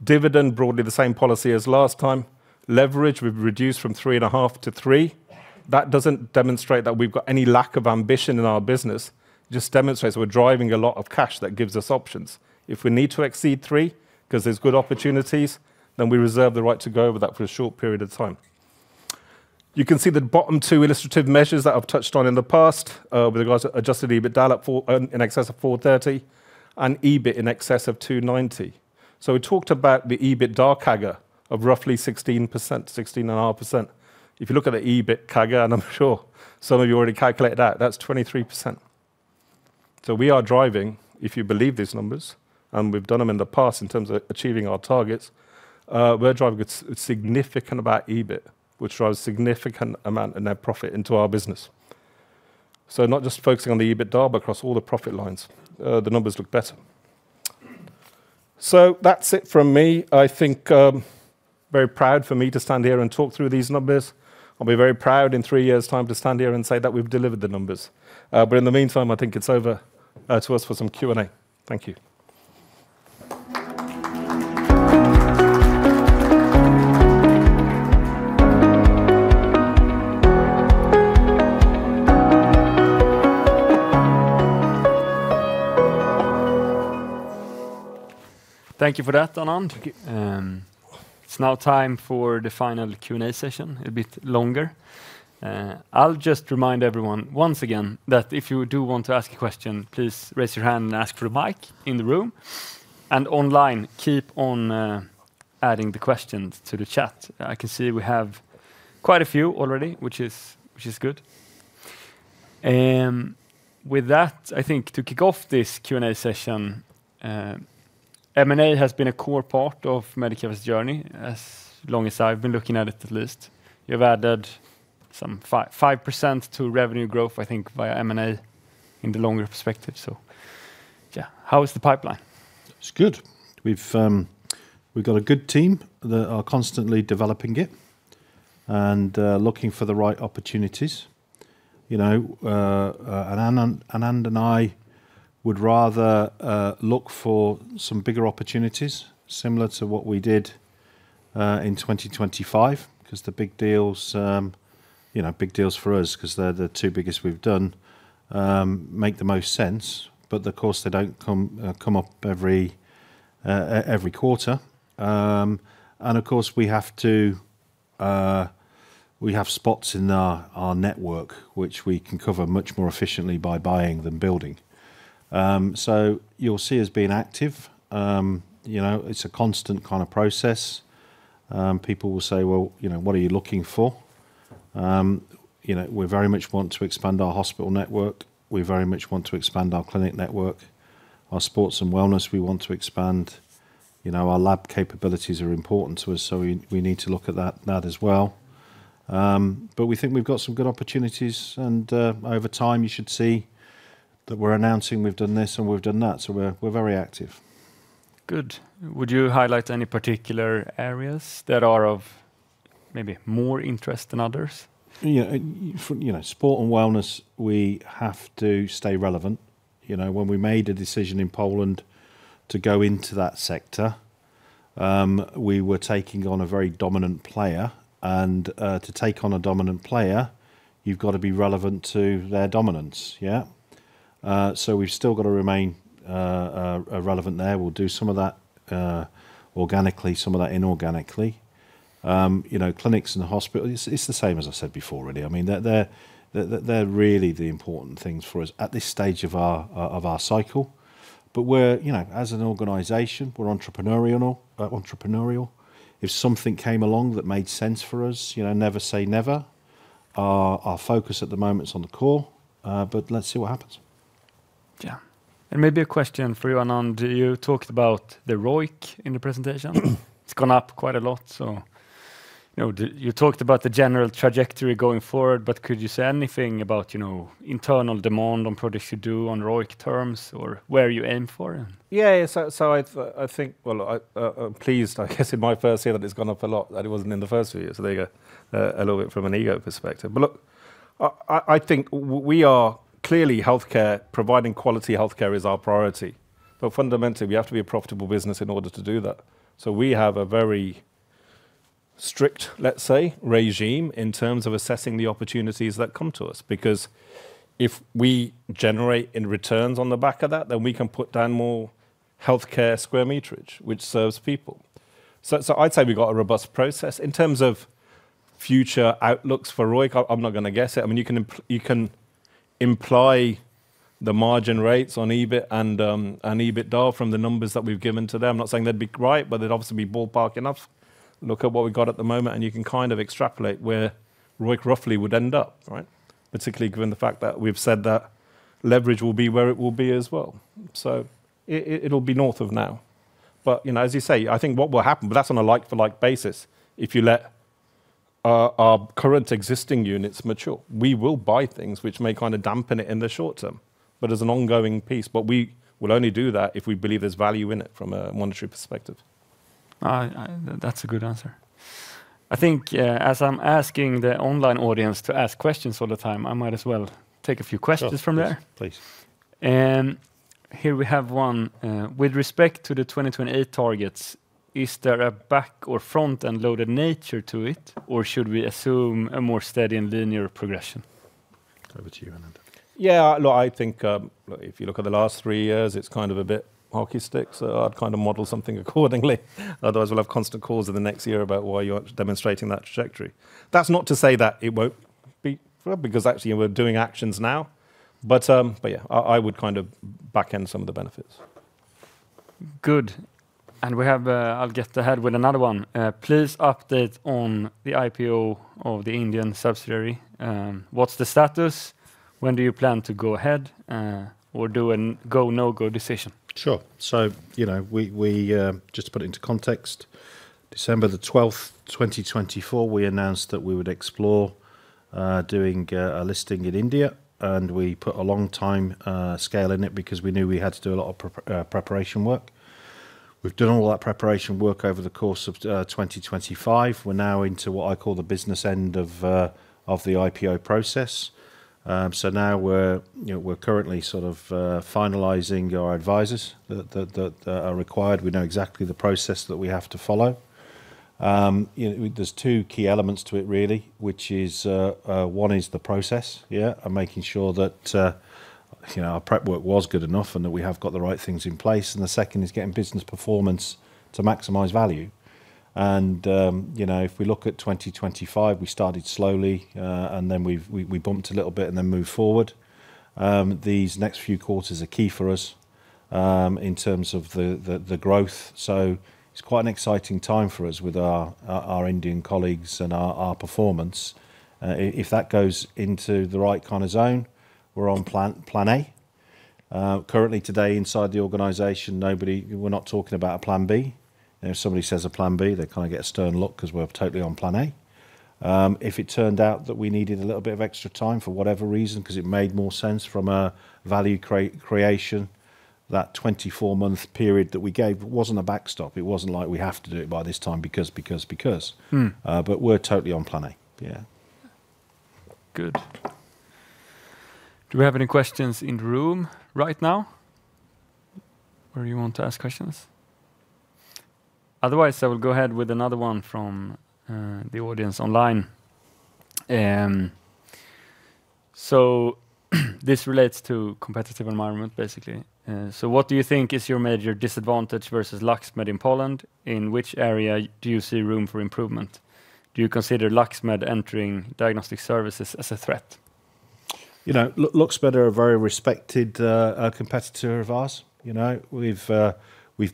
Dividend, broadly the same policy as last time. Leverage, we've reduced from 3.5x to 3x. That doesn't demonstrate that we've got any lack of ambition in our business. It just demonstrates we're driving a lot of cash that gives us options. If we need to exceed three, 'cause there's good opportunities, then we reserve the right to go over that for a short period of time. You can see the bottom two illustrative measures that I've touched on in the past, with regards to adjusted EBITDA up, in excess of 430, and EBIT in excess of 290. So we talked about the EBITDA CAGR of roughly 16%, 16.5%. If you look at the EBIT CAGR, and I'm sure some of you already calculated that, that's 23%. So we are driving, if you believe these numbers, and we've done them in the past in terms of achieving our targets, we're driving a significant about EBIT, which drives a significant amount of net profit into our business. So not just focusing on the EBITDA, but across all the profit lines, the numbers look better. So that's it from me. I think, very proud for me to stand here and talk through these numbers. I'll be very proud in three years' time to stand here and say that we've delivered the numbers. But in the meantime, I think it's over to us for some Q&A. Thank you. Thank you for that, Anand. Thank you. It's now time for the final Q&A session. It'll be longer. I'll just remind everyone once again, that if you do want to ask a question, please raise your hand and ask for a mic in the room. And online, keep on, adding the questions to the chat. I can see we have quite a few already, which is, which is good. With that, I think to kick off this Q&A session, M&A has been a core part of Medicover's journey, as long as I've been looking at it, at least. You've added some 5% to revenue growth, I think, via M&A in the longer perspective. So yeah, how is the pipeline? It's good. We've got a good team that are constantly developing it and looking for the right opportunities. You know, Anand and I would rather look for some bigger opportunities, similar to what we did in 2025, 'cause the big deals, you know, big deals for us, 'cause they're the two biggest we've done, make the most sense. But of course, they don't come up every quarter. And of course, we have spots in our network, which we can cover much more efficiently by buying than building. So you'll see us being active. You know, it's a constant kind of process. People will say: "Well, you know, what are you looking for?" You know, we very much want to expand our hospital network. We very much want to expand our clinic network. Our Sports and Wellness, we want to expand. You know, our lab capabilities are important to us, so we need to look at that as well. But we think we've got some good opportunities, and over time, you should see that we're announcing we've done this, and we've done that, so we're very active. Good. Would you highlight any particular areas that are of maybe more interest than others? Yeah, you know, Sport and Wellness, we have to stay relevant. You know, when we made a decision in Poland to go into that sector, we were taking on a very dominant player, and to take on a dominant player, you've got to be relevant to their dominance, yeah? So we've still got to remain relevant there. We'll do some of that organically, some of that inorganically. You know, clinics and hospitals, it's the same as I said before, really. I mean, they're really the important things for us at this stage of our cycle. But we're, you know, as an organization, we're entrepreneurial. If something came along that made sense for us, you know, never say never. Our focus at the moment is on the core, but let's see what happens. Yeah. Maybe a question for you, Anand. You talked about the ROIC in the presentation. It's gone up quite a lot, so, you know, you talked about the general trajectory going forward, but could you say anything about, you know, internal demand on what you should do on ROIC terms or where you aim for? Yeah. So I've, I think, well, I'm pleased, I guess, in my first year, that it's gone up a lot, that it wasn't in the first few years. So there you go, a little bit from an ego perspective. But look, I think we are clearly healthcare. Providing quality healthcare is our priority, but fundamentally, we have to be a profitable business in order to do that. So we have a very strict, let's say, regime, in terms of assessing the opportunities that come to us, because if we generate any returns on the back of that, then we can put down more healthcare square meterage, which serves people. So I'd say we've got a robust process. In terms of future outlooks for ROIC, I'm not gonna guess it. I mean, you can imply the margin rates on EBIT and EBITDA from the numbers that we've given to them. I'm not saying they'd be great, but they'd obviously be ballpark enough. Look at what we've got at the moment, and you can kind of extrapolate where ROIC roughly would end up, right? Particularly given the fact that we've said that leverage will be where it will be as well. So it'll be north of now. But, you know, as you say, I think what will happen, but that's on a like-for-like basis, if you let our current existing units mature, we will buy things which may kind of dampen it in the short term, but as an ongoing piece. But we will only do that if we believe there's value in it from a monetary perspective. That's a good answer. I think, as I'm asking the online audience to ask questions all the time, I might as well take a few questions from there. Sure, please. Here we have one. "With respect to the 2028 targets, is there a back or front-end loaded nature to it, or should we assume a more steady and linear progression? Over to you, Anand. Yeah, look, I think, if you look at the last three years, it's kind of a bit hockey stick, so I'd kind of model something accordingly. Otherwise, we'll have constant calls in the next year about why you're not demonstrating that trajectory. That's not to say that it won't be, because actually we're doing actions now, but yeah, I would kind of back in some of the benefits. Good. And we have, I'll get ahead with another one. "Please update on the IPO of the Indian subsidiary. What's the status? When do you plan to go ahead, or do a go, no-go decision? Sure. So, you know, we just to put it into context, December the 12th, 2024, we announced that we would explore doing a listing in India, and we put a long time scale in it because we knew we had to do a lot of prep preparation work. We've done all that preparation work over the course of 2025. We're now into what I call the business end of the IPO process. So now we're, you know, we're currently sort of finalizing our advisors that are required. We know exactly the process that we have to follow. You know, there's two key elements to it really, which is, one is the process, and making sure that, you know, our prep work was good enough and that we have got the right things in place, and the second is getting business performance to maximize value. You know, if we look at 2025, we started slowly, and then we bumped a little bit and then moved forward. These next few quarters are key for us, in terms of the growth. So it's quite an exciting time for us with our Indian colleagues and our performance. If that goes into the right kind of zone, we're on plan, plan A. Currently today, inside the organization, nobody, we're not talking about a plan B. If somebody says a plan B, they kind of get a stern look 'cause we're totally on plan A. If it turned out that we needed a little bit of extra time, for whatever reason, 'cause it made more sense from a value creation, that 24-month period that we gave wasn't a backstop. It wasn't like we have to do it by this time because, because, because. But we're totally on plan A. Yeah. Good. Do we have any questions in the room right now, where you want to ask questions? Otherwise, I will go ahead with another one from the audience online. So this relates to competitive environment, basically. "So what do you think is your major disadvantage versus LUX MED in Poland? In which area do you see room for improvement? Do you consider LUX MED entering diagnostic services as a threat? You know, LUX MED are a very respected competitor of ours. You know, we've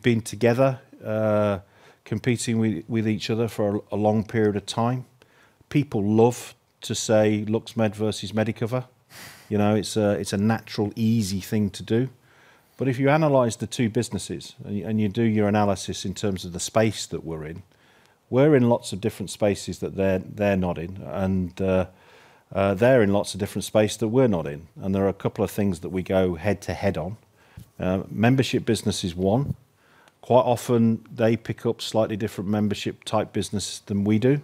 been together competing with each other for a long period of time. People love to say LUX MED versus Medicover. You know, it's a natural, easy thing to do. But if you analyze the two businesses and do your analysis in terms of the space that we're in, we're in lots of different spaces that they're not in, and they're in lots of different space that we're not in. And there are a couple of things that we go head-to-head on. Membership business is one. Quite often, they pick up slightly different membership type business than we do,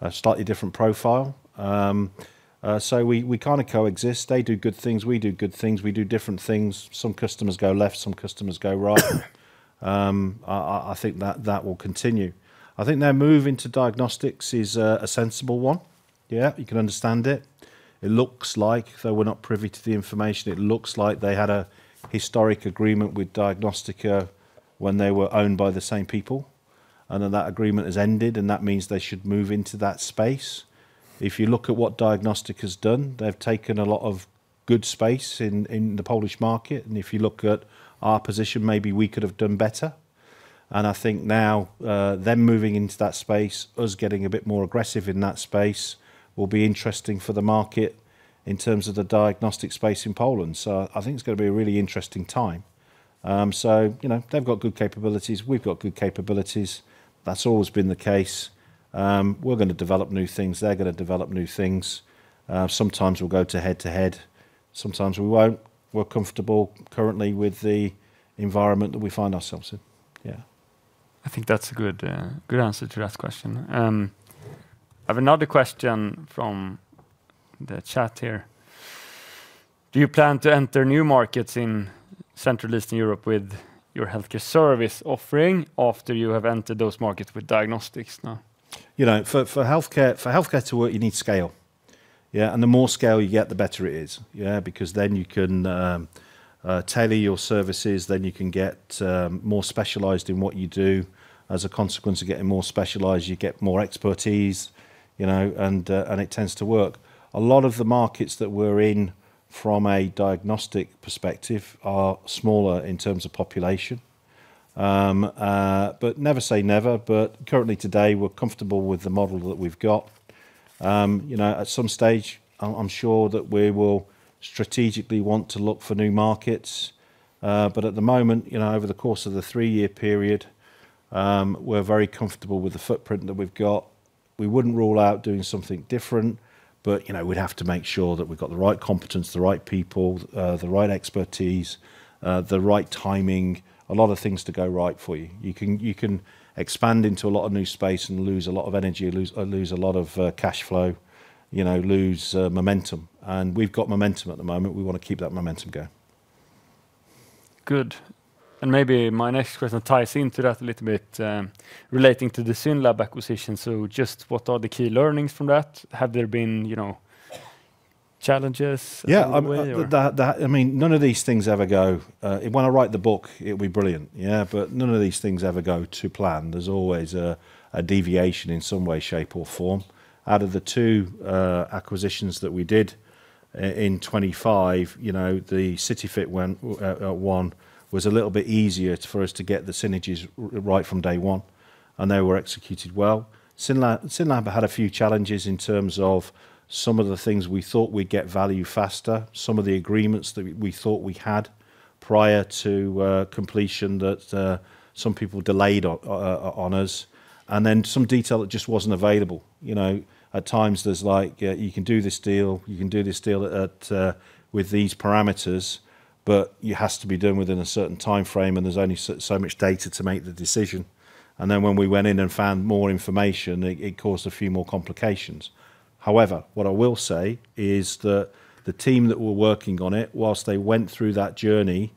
a slightly different profile. So we kind of coexist. They do good things, we do good things. We do different things. Some customers go left, some customers go right. I think that that will continue. I think their move into Diagnostics is a sensible one. Yeah, you can understand it. It looks like, though we're not privy to the information, it looks like they had a historic agreement with Diagnostyka when they were owned by the same people, and then that agreement has ended, and that means they should move into that space. If you look at what Diagnostyka's done, they've taken a lot of good space in the Polish market, and if you look at our position, maybe we could have done better. And I think now, them moving into that space, us getting a bit more aggressive in that space, will be interesting for the market in terms of the diagnostic space in Poland. So I think it's gonna be a really interesting time. You know, they've got good capabilities, we've got good capabilities. That's always been the case. We're gonna develop new things, they're gonna develop new things. Sometimes we'll go head-to-head, sometimes we won't. We're comfortable currently with the environment that we find ourselves in. Yeah. I think that's a good answer to that question. I have another question from the chat here. Do you plan to enter new markets in Central Eastern Europe with your Healthcare service offering after you have entered those markets with Diagnostics now? You know, for Healthcare to work, you need scale. Yeah, and the more scale you get, the better it is. Yeah, because then you can tailor your services, then you can get more specialized in what you do. As a consequence of getting more specialized, you get more expertise, you know, and it tends to work. A lot of the markets that we're in from a diagnostic perspective are smaller in terms of population. But never say never, but currently today, we're comfortable with the model that we've got. You know, at some stage, I'm sure that we will strategically want to look for new markets, but at the moment, you know, over the course of the three-year period, we're very comfortable with the footprint that we've got. We wouldn't rule out doing something different, but, you know, we'd have to make sure that we've got the right competence, the right people, the right expertise, the right timing. A lot of things to go right for you. You can, you can expand into a lot of new space and lose a lot of energy, lose a lot of cash flow, you know, lose momentum, and we've got momentum at the moment. We wanna keep that momentum going. Good. And maybe my next question ties into that a little bit, relating to the SYNLAB acquisition. So just what are the key learnings from that? Have there been, you know, challenges along the way or? Yeah, I mean, none of these things ever go. When I write the book, it will be brilliant. Yeah, but none of these things ever go to plan. There's always a deviation in some way, shape, or form. Out of the two acquisitions that we did in 2025, you know, the CityFit one, one was a little bit easier for us to get the synergies right from day one, and they were executed well. SYNLAB had a few challenges in terms of some of the things we thought we'd get value faster. Some of the agreements that we thought we had prior to completion that some people delayed on us, and then some detail that just wasn't available. You know, at times there's like, you can do this deal, you can do this deal at, with these parameters, but it has to be done within a certain timeframe, and there's only so much data to make the decision. And then when we went in and found more information, it caused a few more complications. However, what I will say is that the team that were working on it, whilst they went through that journey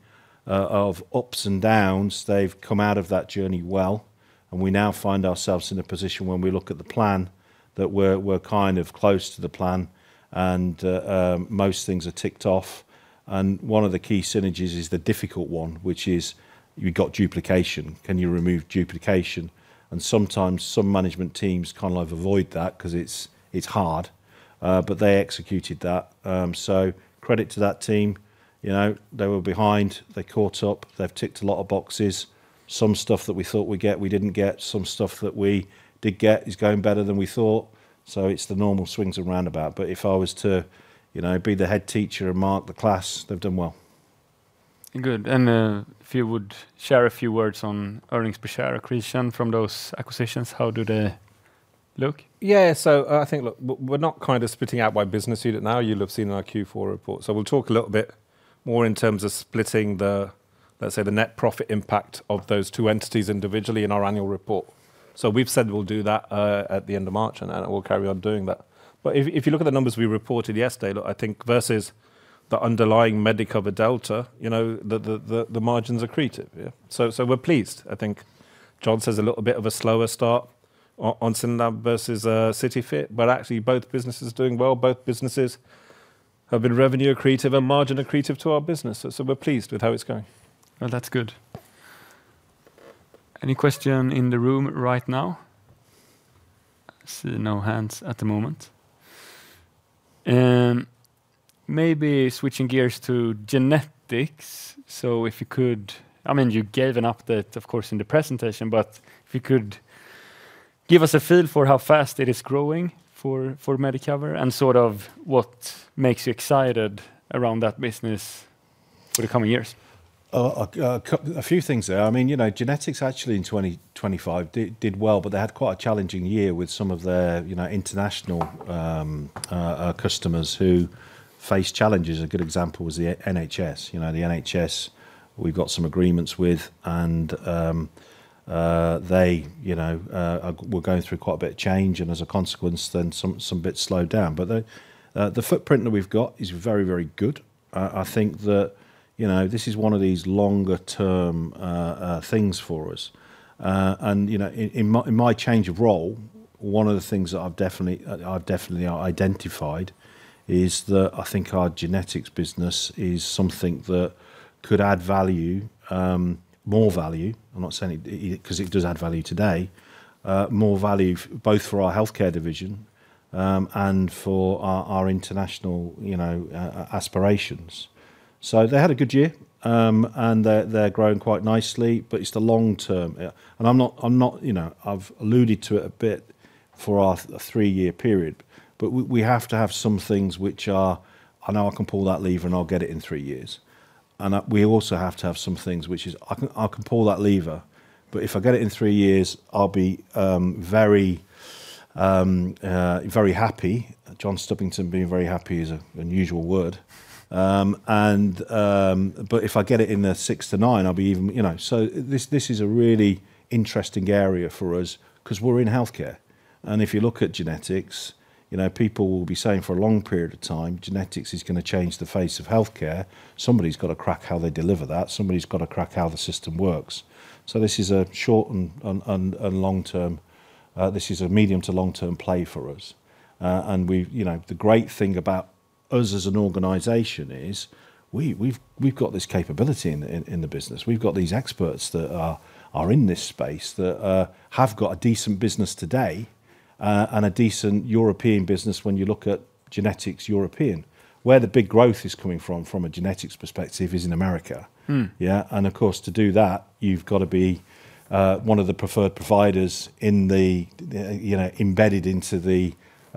of ups and downs, they've come out of that journey well, and we now find ourselves in a position when we look at the plan, that we're kind of close to the plan, and most things are ticked off. And one of the key synergies is the difficult one, which is you've got duplication. Can you remove duplication? And sometimes some management teams kind of avoid that 'cause it's hard, but they executed that. So credit to that team. You know, they were behind, they caught up, they've ticked a lot of boxes. Some stuff that we thought we'd get, we didn't get. Some stuff that we did get is going better than we thought. So it's the normal swings and roundabouts, but if I was to, you know, be the headteacher and mark the class, they've done well. Good. And if you would share a few words on earnings per share accretion from those acquisitions, how do they look? Yeah. So, I think, look, we're not kind of splitting out by business unit now. You'll have seen our Q4 report. So we'll talk a little bit more in terms of splitting the, let's say, the net profit impact of those two entities individually in our annual report. So we've said we'll do that at the end of March, and we'll carry on doing that. But if you look at the numbers we reported yesterday, look, I think versus the underlying Medicover delta, you know, the margins accretive. Yeah. So we're pleased. I think John says a little bit of a slower start on SYNLAB versus CityFit, but actually both businesses are doing well. Both businesses have been revenue accretive and margin accretive to our business, so we're pleased with how it's going. Well, that's good. Any question in the room right now? I see no hands at the moment. Maybe switching gears to Genetics. So if you could, I mean, you gave an update, of course, in the presentation, but if you could give us a feel for how fast it is growing for, for Medicover, and sort of what makes you excited around that business for the coming years? A few things there. I mean, you know, Genetics actually in 2025 did well, but they had quite a challenging year with some of their, you know, international customers who faced challenges. A good example was the NHS. You know, the NHS, we've got some agreements with, and they, you know, were going through quite a bit of change, and as a consequence, some bits slowed down. But the footprint that we've got is very, very good. I think that, you know, this is one of these longer term things for us. And, you know, in my change of role, one of the things that I've definitely identified is that I think our Genetics business is something that could add value, more value. I'm not saying it 'cause it does add value today. More value both for our healthcare division and for our international, you know, aspirations. So they had a good year, and they're growing quite nicely, but it's the long term. And I'm not, you know, I've alluded to it a bit for our the three-year period, but we have to have some things which are, "I know I can pull that lever, and I'll get it in three years." And we also have to have some things which is, "I can pull that lever, but if I get it in three years, I'll be very happy." John Stubbington being very happy is an unusual word. But if I get it in the 6-9, I'll be even, you know. So this is a really interesting area for us 'cause we're in healthcare, and if you look at Genetics, you know, people will be saying for a long period of time, "Genetics is gonna change the face of healthcare." Somebody's got to crack how they deliver that. Somebody's got to crack how the system works. So this is a short and long-term, this is a medium to long-term play for us. And we've, you know, the great thing about us as an organization is we've got this capability in the business. We've got these experts that are in this space, that have got a decent business today, and a decent European business when you look at Genetics European. Where the big growth is coming from, from a Genetics perspective, is in America. Yeah, and of course, to do that, you've got to be one of the preferred providers in the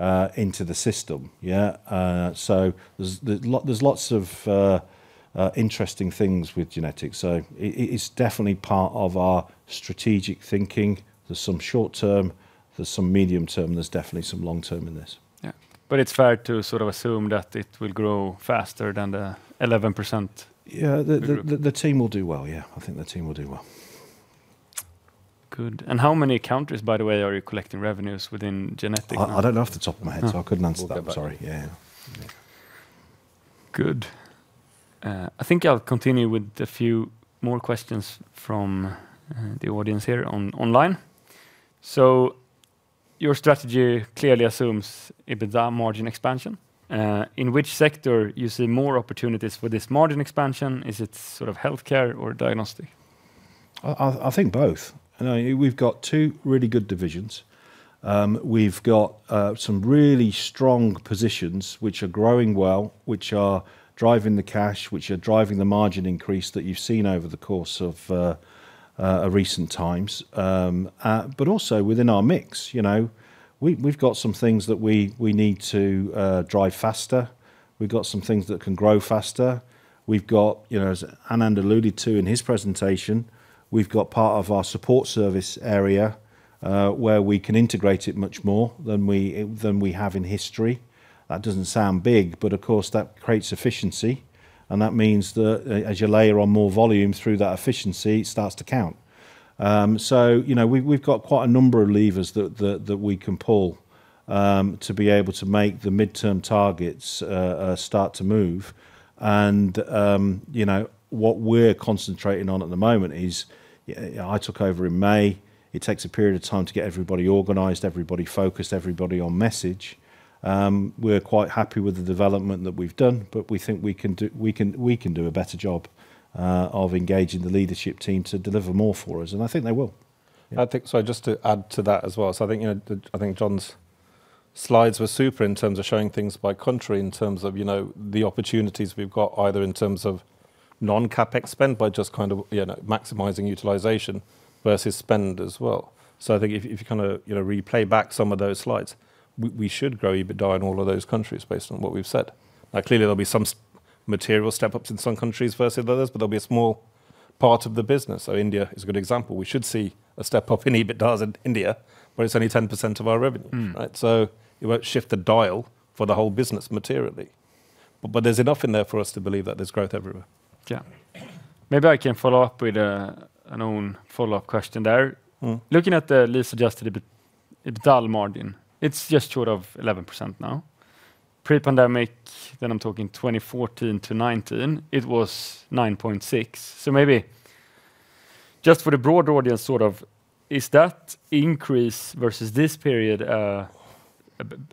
you know, embedded into the system, yeah? So there's lots of interesting things with Genetics, so it's definitely part of our strategic thinking. There's some short term, there's some medium term, there's definitely some long term in this. Yeah, but it's fair to sort of assume that it will grow faster than the 11%? Yeah, the team will do well. Yeah, I think the team will do well. Good. And how many countries, by the way, are you collecting revenues within Genetics? I don't know off the top of my head so I couldn't answer that. We'll talk about it. Sorry. Yeah, yeah. Good. I think I'll continue with a few more questions from the audience here online. So your strategy clearly assumes EBITDA margin expansion. In which sector you see more opportunities for this margin expansion, is it sort of Healthcare or Diagnostic? I think both, you know, we've got two really good divisions. We've got some really strong positions which are growing well, which are driving the cash, which are driving the margin increase that you've seen over the course of recent times. But also within our mix, you know, we've got some things that we need to drive faster. We've got some things that can grow faster. We've got, you know, as Anand alluded to in his presentation, we've got part of our support service area where we can integrate it much more than we have in history. That doesn't sound big, but of course, that creates efficiency, and that means that as you layer on more volume through that efficiency, it starts to count. So you know, we've got quite a number of levers that we can pull to be able to make the midterm targets start to move. You know, what we're concentrating on at the moment is, I took over in May. It takes a period of time to get everybody organized, everybody focused, everybody on message. We're quite happy with the development that we've done, but we think we can do a better job of engaging the leadership team to deliver more for us, and I think they will. I think, so just to add to that as well. So I think, you know, the, I think John's slides were super in terms of showing things by country, in terms of, you know, the opportunities we've got, either in terms of non-CapEx spend, by just kind of, you know, maximizing utilization versus spend as well. So I think if you kind of, you know, replay back some of those slides, we should grow EBITDA in all of those countries based on what we've said. Now, clearly, there'll be some material step-ups in some countries versus others, but they'll be a small part of the business. So India is a good example. We should see a step-up in EBITDAs in India, but it's only 10% of our revenue. Right? So it won't shift the dial for the whole business materially. But there's enough in there for us to believe that there's growth everywhere. Yeah. Maybe I can follow up with my own follow-up question there. Looking at the LTM adjusted EBITDA margin, it's just short of 11% now. Pre-pandemic, then I'm talking 2014-2019, it was 9.6%. So maybe just for the broad audience, sort of, is that increase versus this period,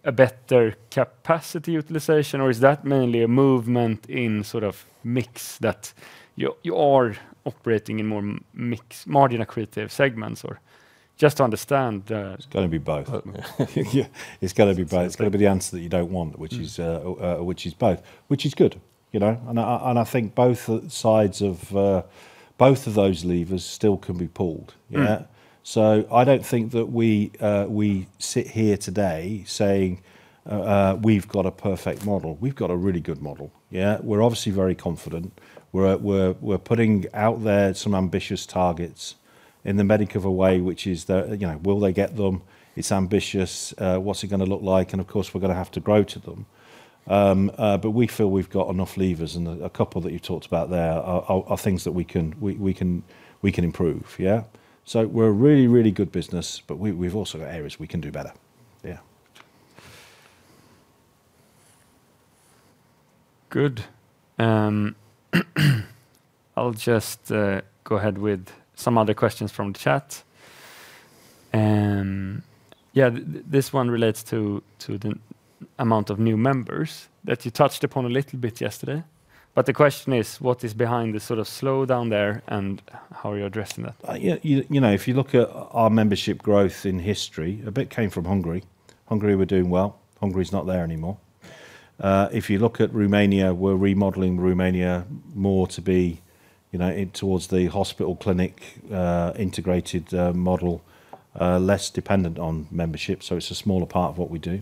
a better capacity utilization, or is that mainly a movement in sort of mix that you're operating in more margin-accretive segments? Or just to understand. It's gonna be both. Yeah, it's gonna be both. It's gonna be. It's gonna be the answer that you don't want, which is both, which is good, you know? And I think both sides of both of those levers still can be pulled. Yeah. So I don't think that we, we sit here today saying, "We've got a perfect model." We've got a really good model, yeah? We're obviously very confident. We're putting out there some ambitious targets in the Medicover way, which is that, you know, will they get them? It's ambitious. What's it gonna look like? And of course, we're gonna have to grow to them. But we feel we've got enough levers, and a, a couple that you've talked about there are, are, are things that we can, we can improve, yeah? So we're a really, really good business, but we, we've also got areas we can do better. Yeah. Good. I'll just go ahead with some other questions from the chat. Yeah, this one relates to the amount of new members that you touched upon a little bit yesterday. The question is, what is behind the sort of slowdown there, and how are you addressing that? Yeah, you know, if you look at our membership growth in history, a bit came from Hungary. Hungary were doing well. Hungary's not there anymore. If you look at Romania, we're remodeling Romania more to be, you know, in towards the hospital clinic, integrated, model, less dependent on membership, so it's a smaller part of what we do.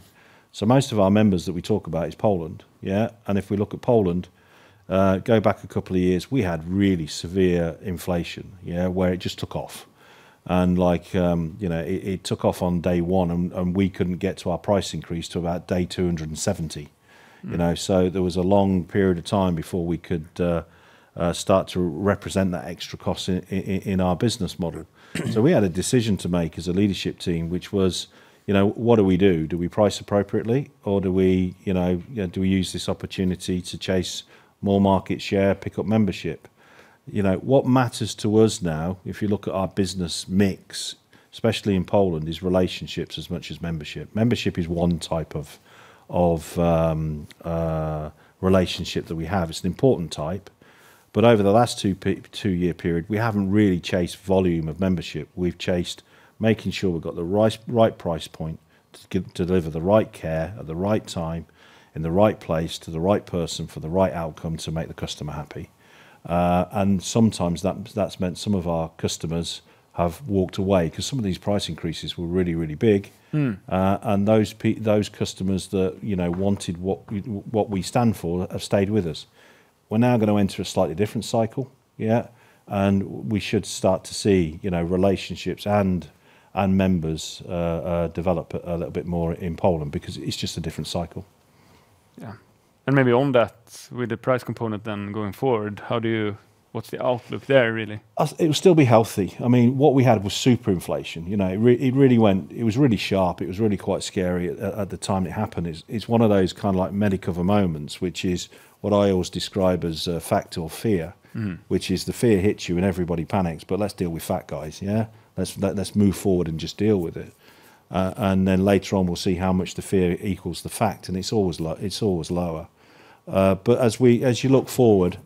So most of our members that we talk about is Poland, yeah? And if we look at Poland, go back a couple of years, we had really severe inflation, yeah, where it just took off. And like, you know, it took off on day one, and we couldn't get to our price increase till about day 270. You know, so there was a long period of time before we could start to represent that extra cost in our business model. So we had a decision to make as a leadership team, which was, you know, what do we do? Do we price appropriately, or do we, you know, do we use this opportunity to chase more market share, pick up membership? You know, what matters to us now, if you look at our business mix, especially in Poland, is relationships as much as membership. Membership is one type of relationship that we have. It's an important type, but over the last two-year period, we haven't really chased volume of membership. We've chased making sure we've got the right price point to deliver the right care at the right time, in the right place, to the right person, for the right outcome to make the customer happy. And sometimes that, that's meant some of our customers have walked away, 'cause some of these price increases were really, really big. And those customers that, you know, wanted what we, what we stand for, have stayed with us. We're now gonna enter a slightly different cycle, yeah? And we should start to see, you know, relationships and members develop a little bit more in Poland because it's just a different cycle. Yeah. Maybe on that, with the price component then going forward, how do you, what's the outlook there, really? It will still be healthy. I mean, what we had was super inflation. You know, it really went—it was really sharp. It was really quite scary at the time it happened. It's one of those kind of like Medicover moments, which is what I always describe as fact or fear. Which is the fear hits you, and everybody panics, but let's deal with fact, guys, yeah? Let's, let's move forward and just deal with it. And then later on, we'll see how much the fear equals the fact, and it's always lower, it's always lower. But as we, as you look forward,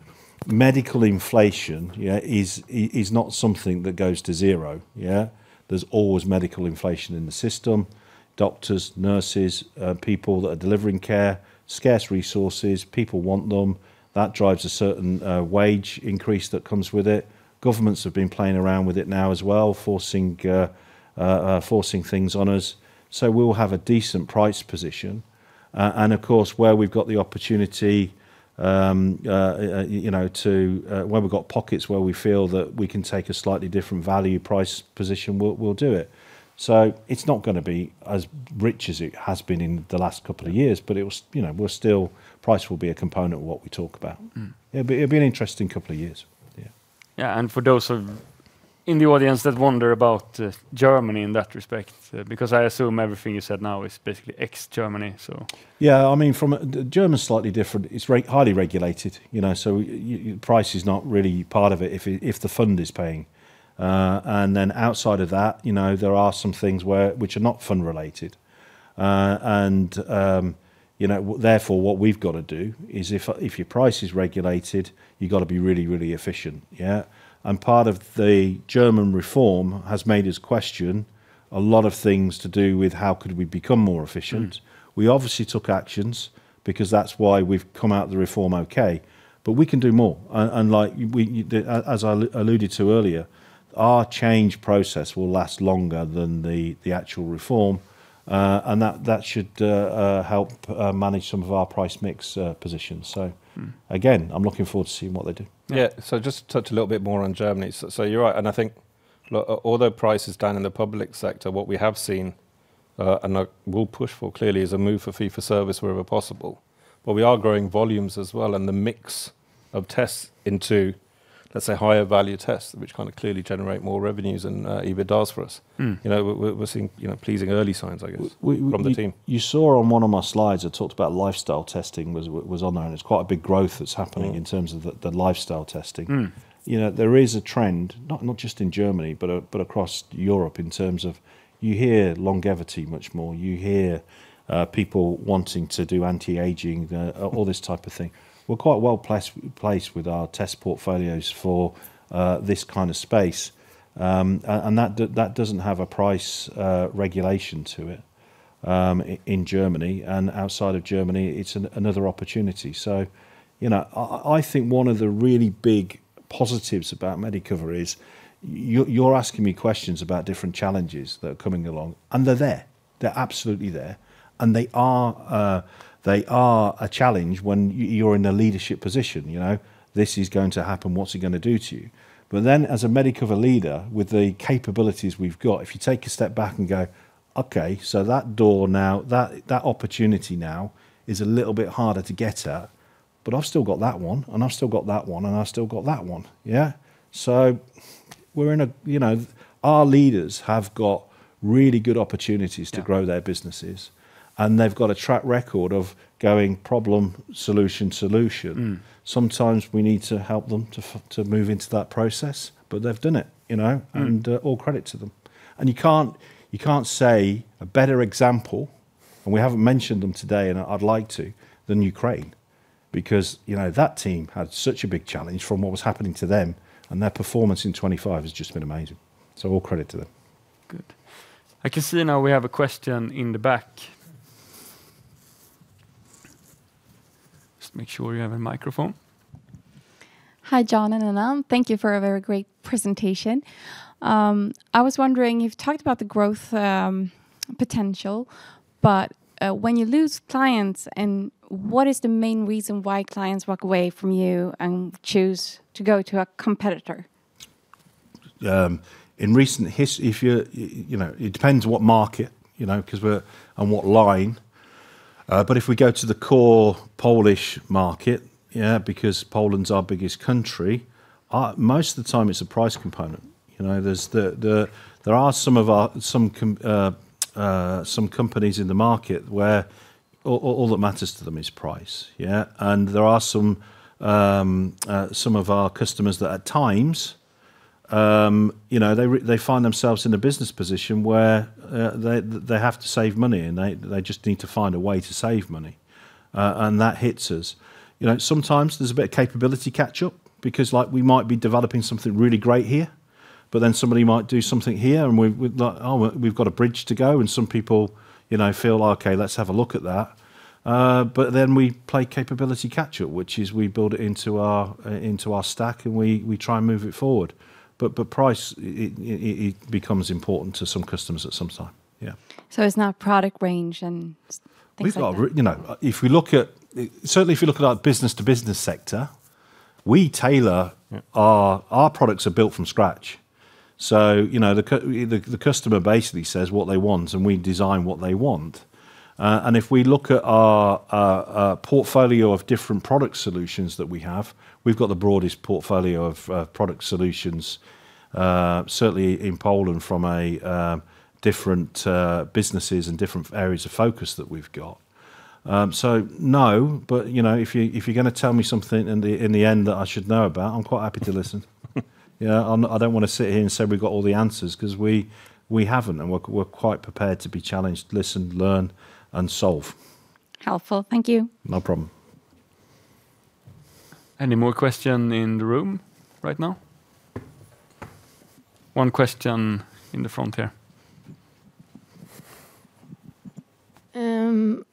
medical inflation, yeah, is, is not something that goes to zero, yeah? There's always medical inflation in the system. Doctors, nurses, people that are delivering care, scarce resources, people want them. That drives a certain, wage increase that comes with it. Governments have been playing around with it now as well, forcing, forcing things on us. So we'll have a decent price position. And of course, where we've got pockets where we feel that we can take a slightly different value price position, we'll do it. So it's not gonna be as rich as it has been in the last couple of years, but it was, you know, we're still, price will be a component of what we talk about. It'll be, it'll be an interesting couple of years. Yeah. Yeah, and for those in the audience that wonder about Germany in that respect, because I assume everything you said now is basically ex-Germany, so. Yeah, I mean, from a Germany's slightly different. It's highly regulated, you know, so price is not really part of it if the fund is paying. And then outside of that, you know, there are some things which are not fund-related. And, you know, therefore, what we've got to do is if your price is regulated, you've got to be really, really efficient, yeah? And part of the German reform has made us question a lot of things to do with how could we become more efficient. We obviously took actions because that's why we've come out of the reform okay, but we can do more. And like, as I alluded to earlier, our change process will last longer than the actual reform. And that should help manage some of our price mix positions. So again, I'm looking forward to seeing what they do. Yeah. So just touch a little bit more on Germany. So, you're right, and I think although price is down in the public sector, what we have seen, and I will push for clearly, is a move for fee-for-service wherever possible. But we are growing volumes as well, and the mix of tests into, let's say, higher value tests, which kind of clearly generate more revenues than EBITDA does for us. You know, we're seeing, you know, pleasing early signs, I guess. We, we, we- From the team. You saw on one of my slides, I talked about lifestyle testing was on there, and it's quite a big growth that's happening in terms of the lifestyle testing. You know, there is a trend, not just in Germany, but across Europe, in terms of you hear longevity much more. You hear people wanting to do anti-aging, all this type of thing. We're quite well placed with our test portfolios for this kind of space. And that doesn't have a price regulation to it in Germany, and outside of Germany, it's another opportunity. So, you know, I think one of the really big positives about Medicover is, you're asking me questions about different challenges that are coming along, and they're there. They're absolutely there, and they are a challenge when you're in a leadership position, you know? This is going to happen: what's it gonna do to you? But then, as a Medicover leader, with the capabilities we've got, if you take a step back and go, "Okay, so that door now, that, that opportunity now is a little bit harder to get at, but I've still got that one, and I've still got that one, and I've still got that one," yeah? So we're in a, you know, our leaders have got really good opportunities to grow their businesses, and they've got a track record of going problem, solution to solution. Sometimes we need to help them to move into that process, but they've done it, you know. All credit to them. You can't say a better example, and we haven't mentioned them today, and I'd like to, than Ukraine. Because, you know, that team had such a big challenge from what was happening to them, and their performance in 2025 has just been amazing. So all credit to them. Good. I can see now we have a question in the back. Just make sure you have a microphone. Hi, John and Anand. Thank you for a very great presentation. I was wondering, you've talked about the growth potential, but when you lose clients, and what is the main reason why clients walk away from you and choose to go to a competitor? If you, you know, it depends what market, you know, 'cause we're and what line. But if we go to the core Polish market, yeah, because Poland's our biggest country, most of the time it's a price component. You know, there are some of our companies in the market where all that matters to them is price, yeah? And there are some of our customers that at times, you know, they find themselves in a business position where they have to save money, and they just need to find a way to save money, and that hits us. You know, sometimes there's a bit of capability catch-up, because, like, we might be developing something really great here, but then somebody might do something here, and we, we're like, "Oh, we've got a bridge to go." And some people, you know, feel, "Okay, let's have a look at that." But then we play capability catch-up, which is we build it into our, into our stack, and we, we try and move it forward. But, but price, it, it, it becomes important to some customers at some time. Yeah. So it's not product range and things like that? We've got. You know, if we look at, certainly if you look at our business-to-business sector, we tailor our products are built from scratch. So, you know, the customer basically says what they want, and we design what they want. And if we look at our portfolio of different product solutions that we have, we've got the broadest portfolio of product solutions, certainly in Poland from a different businesses and different areas of focus that we've got. So no, but, you know, if you, if you're gonna tell me something in the, in the end that I should know about, I'm quite happy to listen. Yeah, I don't want to sit here and say we've got all the answers, 'cause we haven't, and we're quite prepared to be challenged, listen, learn, and solve. Helpful. Thank you. No problem. Any more question in the room right now? One question in the front here.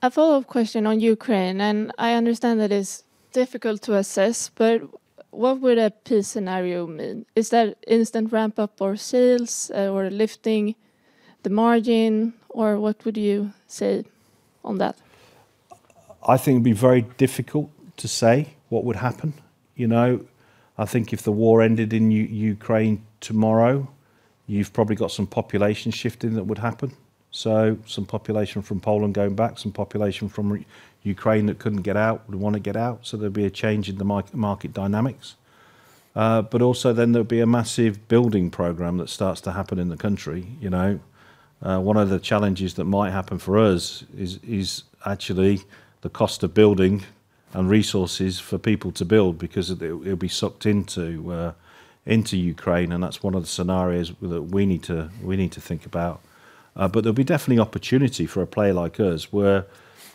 A follow-up question on Ukraine, and I understand that it's difficult to assess, but what would a peace scenario mean? Is that instant ramp-up or sales, or lifting the margin, or what would you say on that? I think it'd be very difficult to say what would happen. You know, I think if the war ended in Ukraine tomorrow, you've probably got some population shifting that would happen. So some population from Poland going back, some population from Ukraine that couldn't get out, would want to get out, so there'd be a change in the market dynamics. But also then there'd be a massive building program that starts to happen in the country, you know. One of the challenges that might happen for us is actually the cost of building and resources for people to build because it'll be sucked into Ukraine, and that's one of the scenarios that we need to think about. But there'll be definitely opportunity for a player like us, where,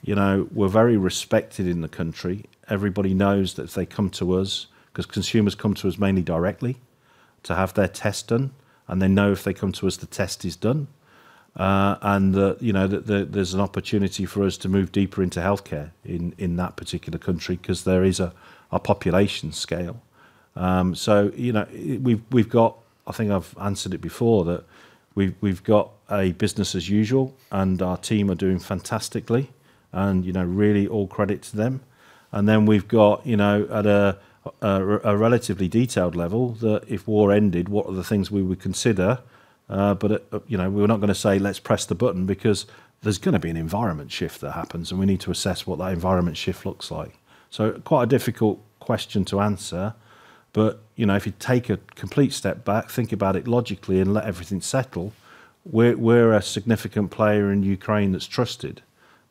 you know, we're very respected in the country. Everybody knows that if they come to us, 'cause consumers come to us mainly directly, to have their test done, and they know if they come to us, the test is done. And that, you know, there, there's an opportunity for us to move deeper into healthcare in that particular country 'cause there is a population scale. So, you know, we've got I think I've answered it before, that we've got a business as usual, and our team are doing fantastically and, you know, really all credit to them. And then we've got, you know, at a relatively detailed level, that if war ended, what are the things we would consider? But, you know, we're not gonna say, "Let's press the button," because there's gonna be an environment shift that happens, and we need to assess what that environment shift looks like. So quite a difficult question to answer, but, you know, if you take a complete step back, think about it logically, and let everything settle, we're a significant player in Ukraine that's trusted.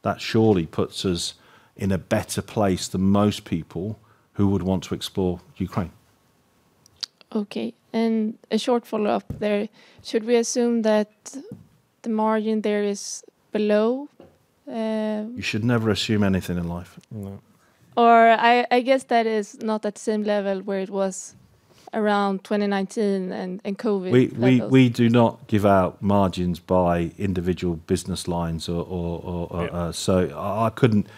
That surely puts us in a better place than most people who would want to explore Ukraine. Okay, and a short follow-up there. Should we assume that the margin there is below? You should never assume anything in life. No. Or, I guess that is not at the same level where it was around 2019 and Covid levels. We do not give out margins by individual business lines or— Yeah. So I couldn't,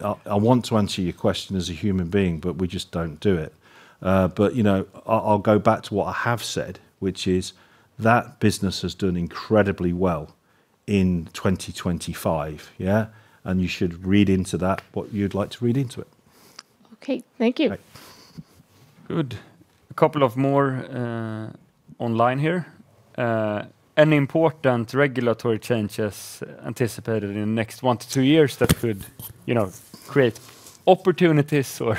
I want to answer your question as a human being, but we just don't do it. But, you know, I'll go back to what I have said, which is that business has done incredibly well in 2025, yeah? And you should read into that what you'd like to read into it. Okay, thank you. Good. A couple of more online here. Any important regulatory changes anticipated in the next one to two years that could, you know, create opportunities or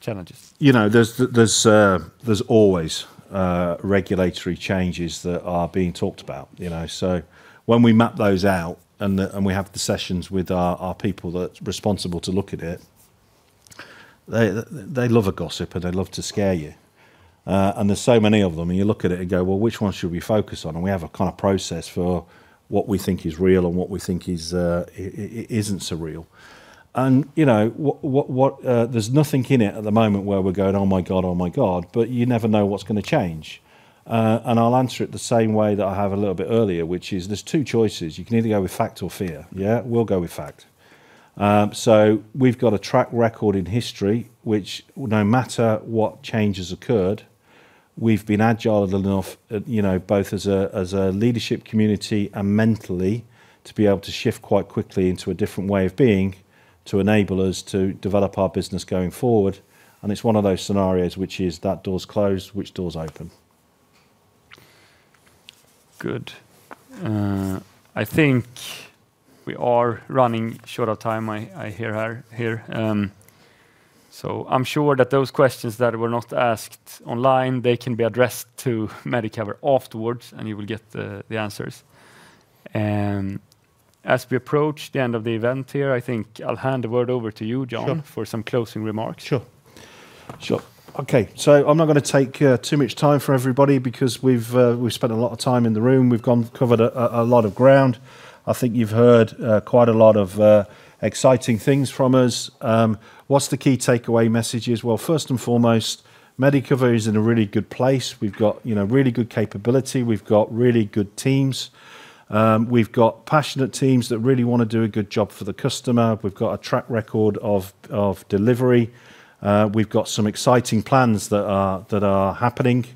challenges? You know, there's always regulatory changes that are being talked about, you know. So when we map those out and we have the sessions with our people that's responsible to look at it, they love a gossip, and they love to scare you. And there's so many of them, and you look at it and go: "Well, which one should we focus on?" And we have a kind of process for what we think is real and what we think is isn't so real. And, you know, what, there's nothing in it at the moment where we're going, "Oh, my God, oh, my God!" But you never know what's gonna change. and I'll answer it the same way that I have a little bit earlier, which is there's two choices: You can either go with fact or fear. Yeah, we'll go with fact. So we've got a track record in history, which no matter what changes occurred, we've been agile enough, you know, both as a, as a leadership community and mentally, to be able to shift quite quickly into a different way of being, to enable us to develop our business going forward. And it's one of those scenarios which is that door's closed, which door's open? Good. I think we are running short of time here. So I'm sure that those questions that were not asked online, they can be addressed to Medicover afterwards, and you will get the answers. And as we approach the end of the event here, I think I'll hand the word over to you, John. Sure. For some closing remarks. Sure. Sure. Okay, so I'm not gonna take too much time for everybody because we've spent a lot of time in the room. We've covered a lot of ground. I think you've heard quite a lot of exciting things from us. What's the key takeaway messages? Well, first and foremost, Medicover is in a really good place. We've got, you know, really good capability. We've got really good teams. We've got passionate teams that really wanna do a good job for the customer. We've got a track record of delivery. We've got some exciting plans that are happening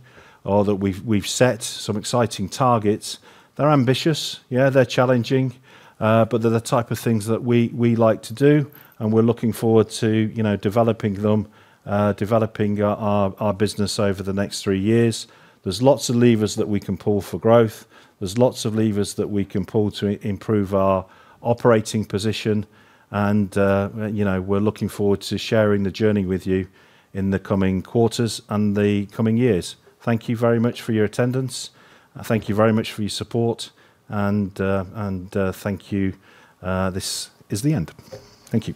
or that we've set some exciting targets. They're ambitious. Yeah, they're challenging, but they're the type of things that we like to do, and we're looking forward to, you know, developing them, developing our business over the next three years. There's lots of levers that we can pull for growth. There's lots of levers that we can pull to improve our operating position, and, you know, we're looking forward to sharing the journey with you in the coming quarters and the coming years. Thank you very much for your attendance, and thank you very much for your support, and thank you. This is the end. Thank you.